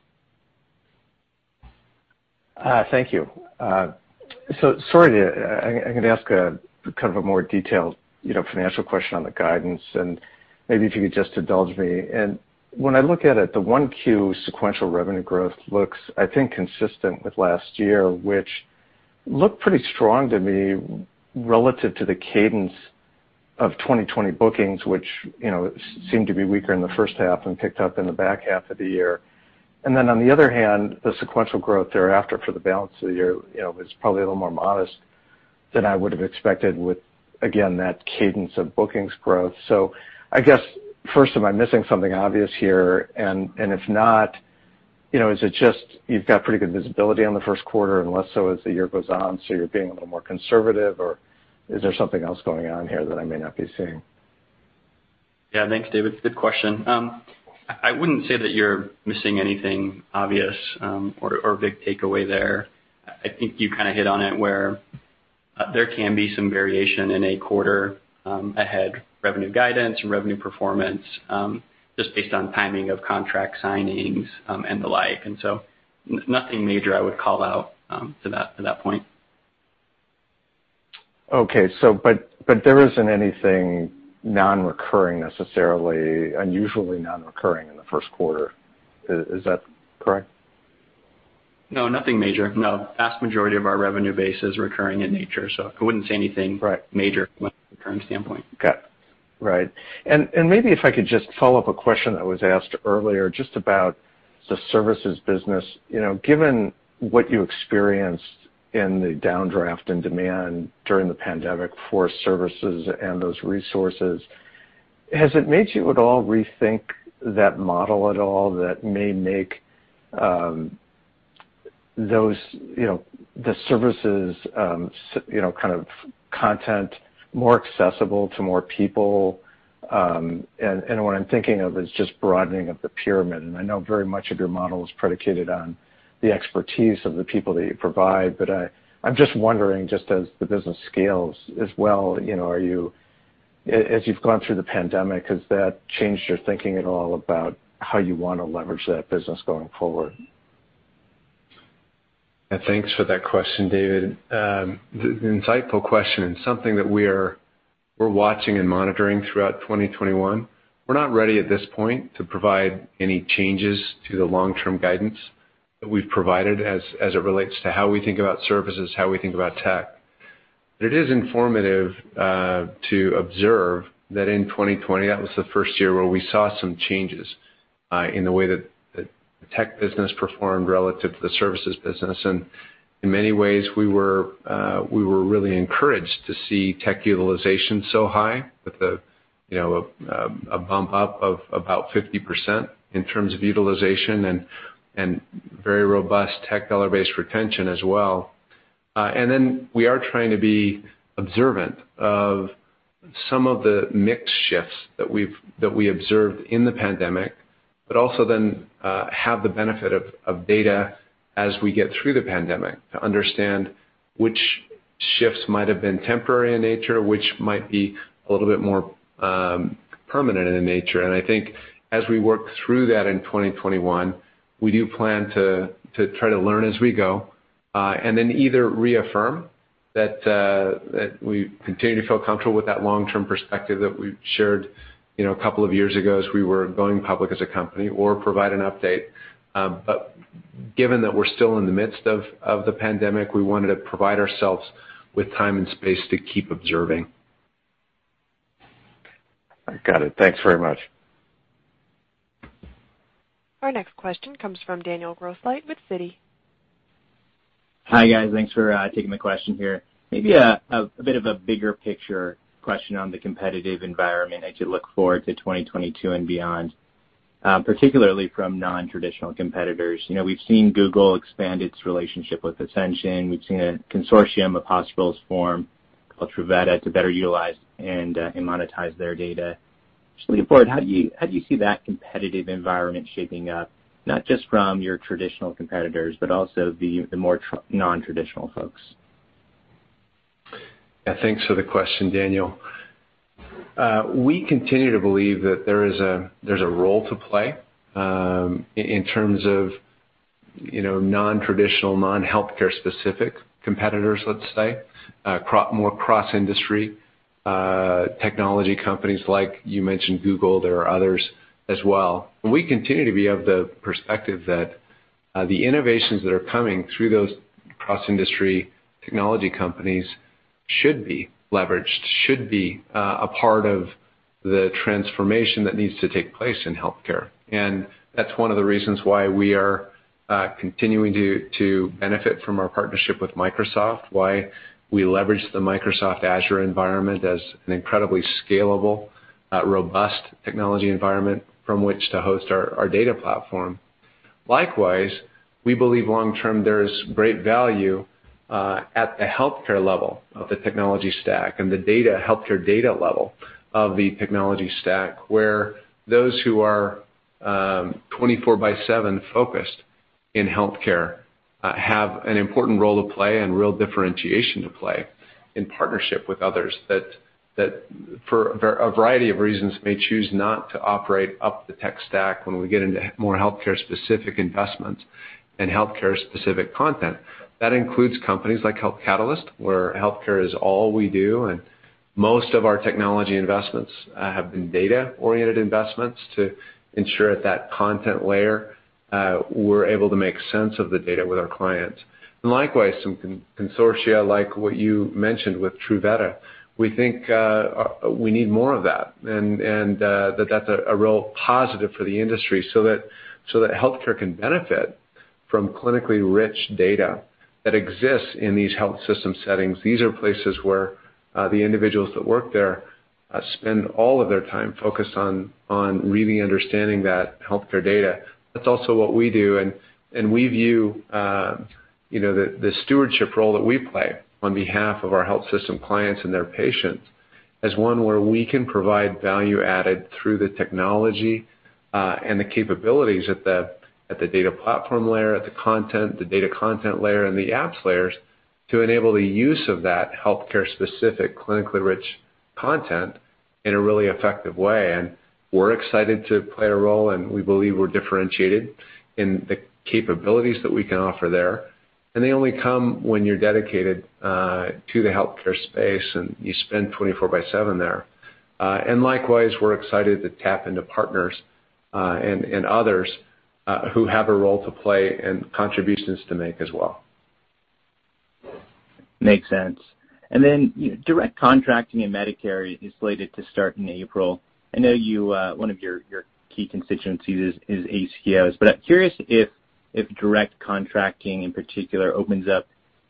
[SPEAKER 13] Thank you. Sorry, I'm going to ask a more detailed financial question on the guidance and maybe if you could just indulge me. When I look at it, the 1Q sequential revenue growth looks, I think, consistent with last year, which looked pretty strong to me relative to the cadence of 2020 bookings, which seemed to be weaker in the first half and picked up in the back half of the year. On the other hand, the sequential growth thereafter for the balance of the year, was probably a little more modest than I would have expected with, again, that cadence of bookings growth. I guess first, am I missing something obvious here? If not, is it just you've got pretty good visibility on the first quarter and less so as the year goes on, so you're being a little more conservative, or is there something else going on here that I may not be seeing?
[SPEAKER 4] Yeah. Thanks, David. Good question. I wouldn't say that you're missing anything obvious or a big takeaway there. I think you hit on it, where there can be some variation in a quarter ahead revenue guidance and revenue performance, just based on timing of contract signings and the like. Nothing major I would call out to that point.
[SPEAKER 13] Okay. There isn't anything non-recurring necessarily, unusually non-recurring in the first quarter. Is that correct?
[SPEAKER 4] No, nothing major, no. Vast majority of our revenue base is recurring in nature, so I wouldn't say anything.
[SPEAKER 13] Right
[SPEAKER 4] Major from a recurring standpoint.
[SPEAKER 13] Got it. Right. Maybe if I could just follow up a question that was asked earlier just about the services business. Given what you experienced in the downdraft in demand during the pandemic for services and those resources, has it made you at all rethink that model at all that may make the services content more accessible to more people? What I'm thinking of is just broadening of the pyramid. I know very much of your model is predicated on the expertise of the people that you provide. I'm just wondering, just as the business scales as well, as you've gone through the pandemic, has that changed your thinking at all about how you want to leverage that business going forward?
[SPEAKER 3] Thanks for that question, David. Insightful question, something that we're watching and monitoring throughout 2021. We're not ready at this point to provide any changes to the long-term guidance that we've provided as it relates to how we think about services, how we think about tech. It is informative to observe that in 2020, that was the first year where we saw some changes in the way that the tech business performed relative to the services business. In many ways, we were really encouraged to see tech utilization so high with a bump up of about 50% in terms of utilization and very robust tech dollar-based retention as well. Then we are trying to be observant of some of the mix shifts that we observed in the pandemic, but also then have the benefit of data as we get through the pandemic to understand which shifts might have been temporary in nature, which might be a little bit more permanent in nature. I think as we work through that in 2021, we do plan to try to learn as we go, and then either reaffirm that we continue to feel comfortable with that long-term perspective that we shared a couple of years ago as we were going public as a company or provide an update. Given that we're still in the midst of the pandemic, we wanted to provide ourselves with time and space to keep observing.
[SPEAKER 13] Got it. Thanks very much.
[SPEAKER 1] Our next question comes from Daniel Grosslight with Citi.
[SPEAKER 14] Hi, guys. Thanks for taking my question here. Maybe a bit of a bigger picture question on the competitive environment as you look forward to 2022 and beyond, particularly from non-traditional competitors. We've seen Google expand its relationship with Ascension. We've seen a consortium of hospitals form called Truveta to better utilize and monetize their data. Looking forward, how do you see that competitive environment shaping up, not just from your traditional competitors, but also the more non-traditional folks?
[SPEAKER 3] Yeah. Thanks for the question, Daniel. We continue to believe that there's a role to play in terms of non-traditional, non-healthcare specific competitors, let's say, more cross-industry technology companies like you mentioned Google. There are others as well. We continue to be of the perspective that the innovations that are coming through those cross-industry technology companies should be leveraged, should be a part of the transformation that needs to take place in healthcare. That's one of the reasons why we are continuing to benefit from our partnership with Microsoft, why we leverage the Microsoft Azure environment as an incredibly scalable, robust technology environment from which to host our data platform. Likewise, we believe long-term, there is great value at the healthcare level of the technology stack and the healthcare data level of the technology stack, where those who are 24/7 focused in healthcare have an important role to play and real differentiation to play in partnership with others that for a variety of reasons, may choose not to operate up the tech stack when we get into more healthcare-specific investments and healthcare-specific content. That includes companies like Health Catalyst, where healthcare is all we do, and most of our technology investments have been data-oriented investments to ensure at that content layer, we're able to make sense of the data with our clients. Likewise, some consortia, like what you mentioned with Truveta, we think we need more of that, and that's a real positive for the industry so that healthcare can benefit from clinically rich data that exists in these health system settings. These are places where the individuals that work there spend all of their time focused on really understanding that healthcare data. That's also what we do, and we view the stewardship role that we play on behalf of our health system clients and their patients as one where we can provide value added through the technology, and the capabilities at the data platform layer, at the content, the data content layer, and the apps layers to enable the use of that healthcare-specific, clinically rich content in a really effective way. We're excited to play a role, and we believe we're differentiated in the capabilities that we can offer there. They only come when you're dedicated to the healthcare space, and you spend 24/7 there. Likewise, we're excited to tap into partners, and others, who have a role to play and contributions to make as well.
[SPEAKER 14] Makes sense. Direct contracting in Medicare is slated to start in April. I know one of your key constituencies is ACOs, but I'm curious if direct contracting in particular opens up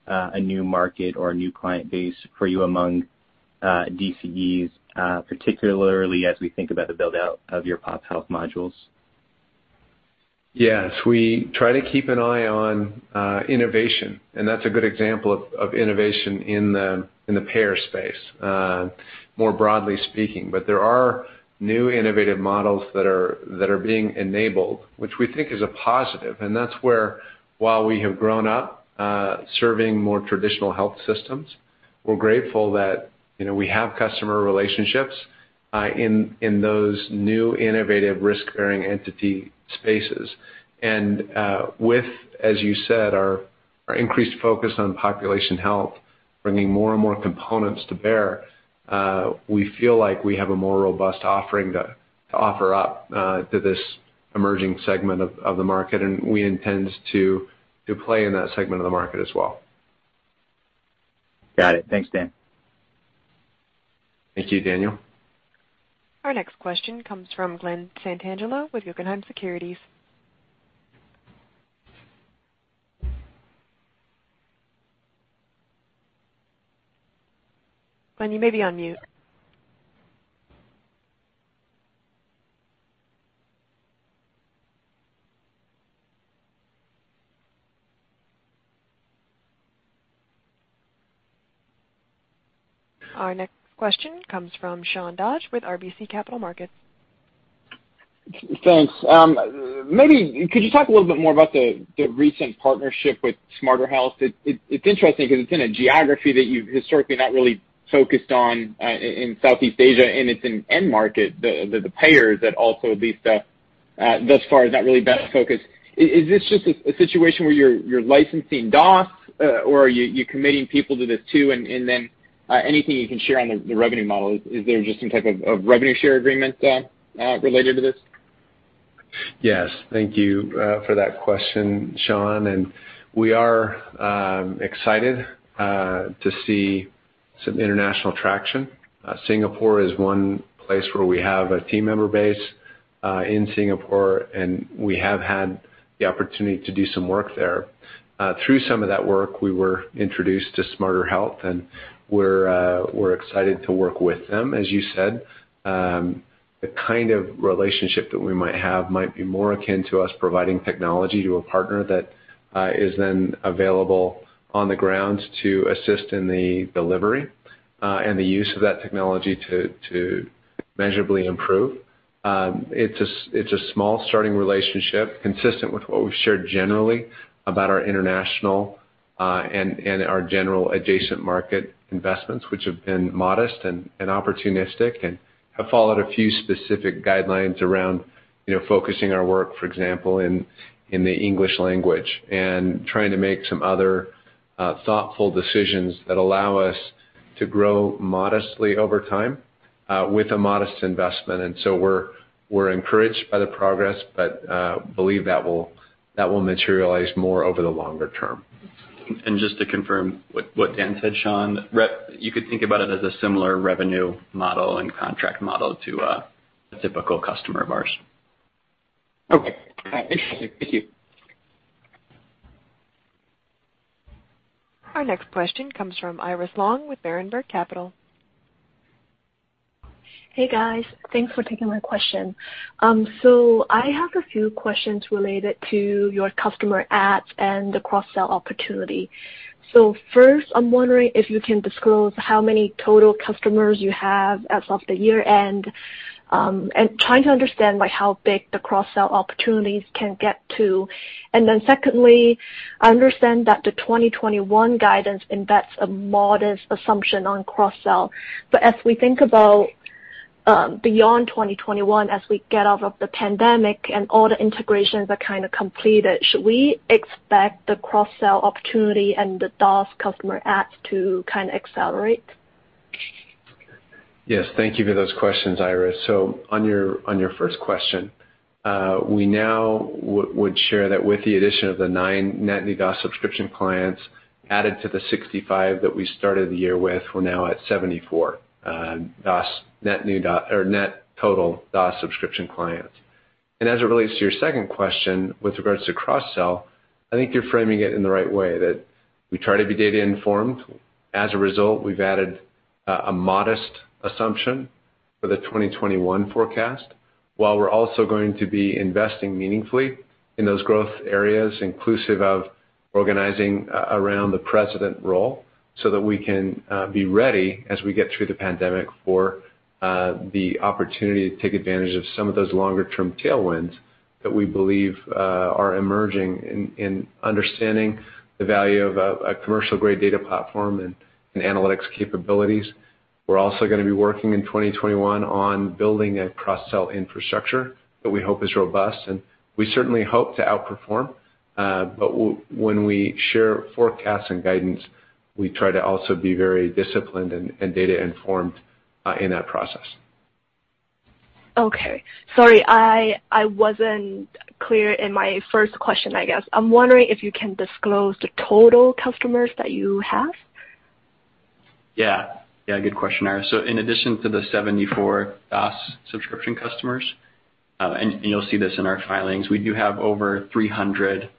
[SPEAKER 14] a new market or a new client base for you among DCEs, particularly as we think about the build-out of your population health modules.
[SPEAKER 3] Yes, we try to keep an eye on innovation, and that's a good example of innovation in the payer space, more broadly speaking. There are new innovative models that are being enabled, which we think is a positive. That's where while we have grown up serving more traditional health systems, we're grateful that we have customer relationships in those new innovative risk-bearing entity spaces. With, as you said, our increased focus on population health, bringing more and more components to bear, we feel like we have a more robust offering to offer up to this emerging segment of the market, and we intend to play in that segment of the market as well.
[SPEAKER 14] Got it. Thanks, Dan.
[SPEAKER 3] Thank you, Daniel.
[SPEAKER 1] Our next question comes from Glen Santangelo with Guggenheim Securities. Glen, you may be on mute. Our next question comes from Sean Dodge with RBC Capital Markets.
[SPEAKER 15] Thanks. Maybe could you talk a little bit more about the recent partnership with Smarter Health? It's interesting because it's in a geography that you've historically not really focused on, in Southeast Asia, and it's an end market, the payers that also at least thus far, has not really been a focus. Is this just a situation where you're licensing DOS, or are you committing people to this too? Anything you can share on the revenue model. Is there just some type of revenue share agreement related to this?
[SPEAKER 3] Yes. Thank you for that question, Sean, and we are excited to see some international traction. Singapore is one place where we have a team member base, in Singapore, and we have had the opportunity to do some work there. Through some of that work, we were introduced to Smarter Health, and we're excited to work with them, as you said. The kind of relationship that we might have might be more akin to us providing technology to a partner that is then available on the ground to assist in the delivery, and the use of that technology to measurably improve. It's a small starting relationship consistent with what we've shared generally about our international, and our general adjacent market investments, which have been modest and opportunistic and have followed a few specific guidelines around focusing our work, for example, in the English language, and trying to make some other thoughtful decisions that allow us to grow modestly over time, with a modest investment. We're encouraged by the progress, but believe that will materialize more over the longer term.
[SPEAKER 4] Just to confirm what Dan said, Sean, you could think about it as a similar revenue model and contract model to a typical customer of ours.
[SPEAKER 15] Okay, got it. Thank you.
[SPEAKER 1] Our next question comes from Iris Long with Berenberg Capital.
[SPEAKER 16] Hey, guys. Thanks for taking my question. I have a few questions related to your customer adds and the cross-sell opportunity. First, I'm wondering if you can disclose how many total customers you have as of the year-end and trying to understand how big the cross-sell opportunities can get to. Secondly, I understand that the 2021 guidance embeds a modest assumption on cross-sell. As we think about beyond 2021, as we get out of the pandemic and all the integrations are kind of completed, should we expect the cross-sell opportunity and the DOS customer adds to kind of accelerate?
[SPEAKER 3] Yes. Thank you for those questions, Iris. On your first question, we now would share that with the addition of the nine net new DOS subscription clients added to the 65 that we started the year with, we're now at 74 net total DOS subscription clients. As it relates to your second question with regards to cross-sell, I think you're framing it in the right way, that we try to be data informed. As a result, we've added a modest assumption for the 2021 forecast, while we're also going to be investing meaningfully in those growth areas, inclusive of organizing around the president role, so that we can be ready as we get through the pandemic for the opportunity to take advantage of some of those longer-term tailwinds that we believe are emerging in understanding the value of a commercial-grade data platform and analytics capabilities. We're also going to be working in 2021 on building a cross-sell infrastructure that we hope is robust. We certainly hope to outperform. When we share forecasts and guidance, we try to also be very disciplined and data informed in that process.
[SPEAKER 16] Okay. Sorry, I wasn't clear in my first question, I guess. I'm wondering if you can disclose the total customers that you have.
[SPEAKER 4] Yeah. Good question, Iris. In addition to the 74 DOS subscription customers, and you'll see this in our filings, we do have over 300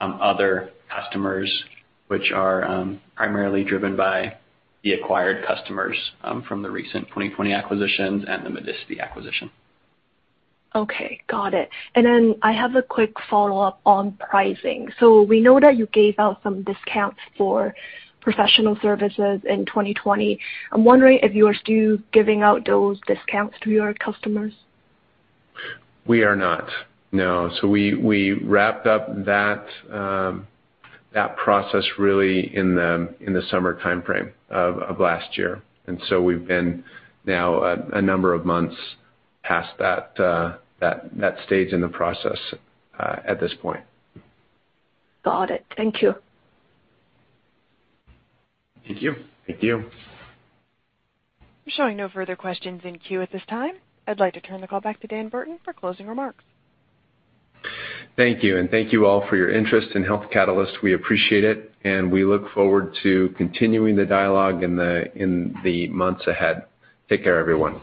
[SPEAKER 4] other customers, which are primarily driven by the acquired customers from the recent 2020 acquisitions and the Medicity acquisition.
[SPEAKER 16] Okay. Got it. I have a quick follow-up on pricing. We know that you gave out some discounts for professional services in 2020. I'm wondering if you are still giving out those discounts to your customers.
[SPEAKER 3] We are not, no. We wrapped up that process really in the summer timeframe of last year. We've been now a number of months past that stage in the process at this point.
[SPEAKER 16] Got it. Thank you.
[SPEAKER 4] Thank you.
[SPEAKER 3] Thank you.
[SPEAKER 1] We're showing no further questions in queue at this time. I'd like to turn the call back to Dan Burton for closing remarks.
[SPEAKER 3] Thank you. Thank you all for your interest in Health Catalyst. We appreciate it, and we look forward to continuing the dialogue in the months ahead. Take care, everyone.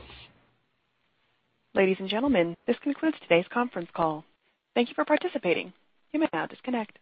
[SPEAKER 1] Ladies and gentlemen, this concludes today's conference call. Thank you for participating. You may now disconnect.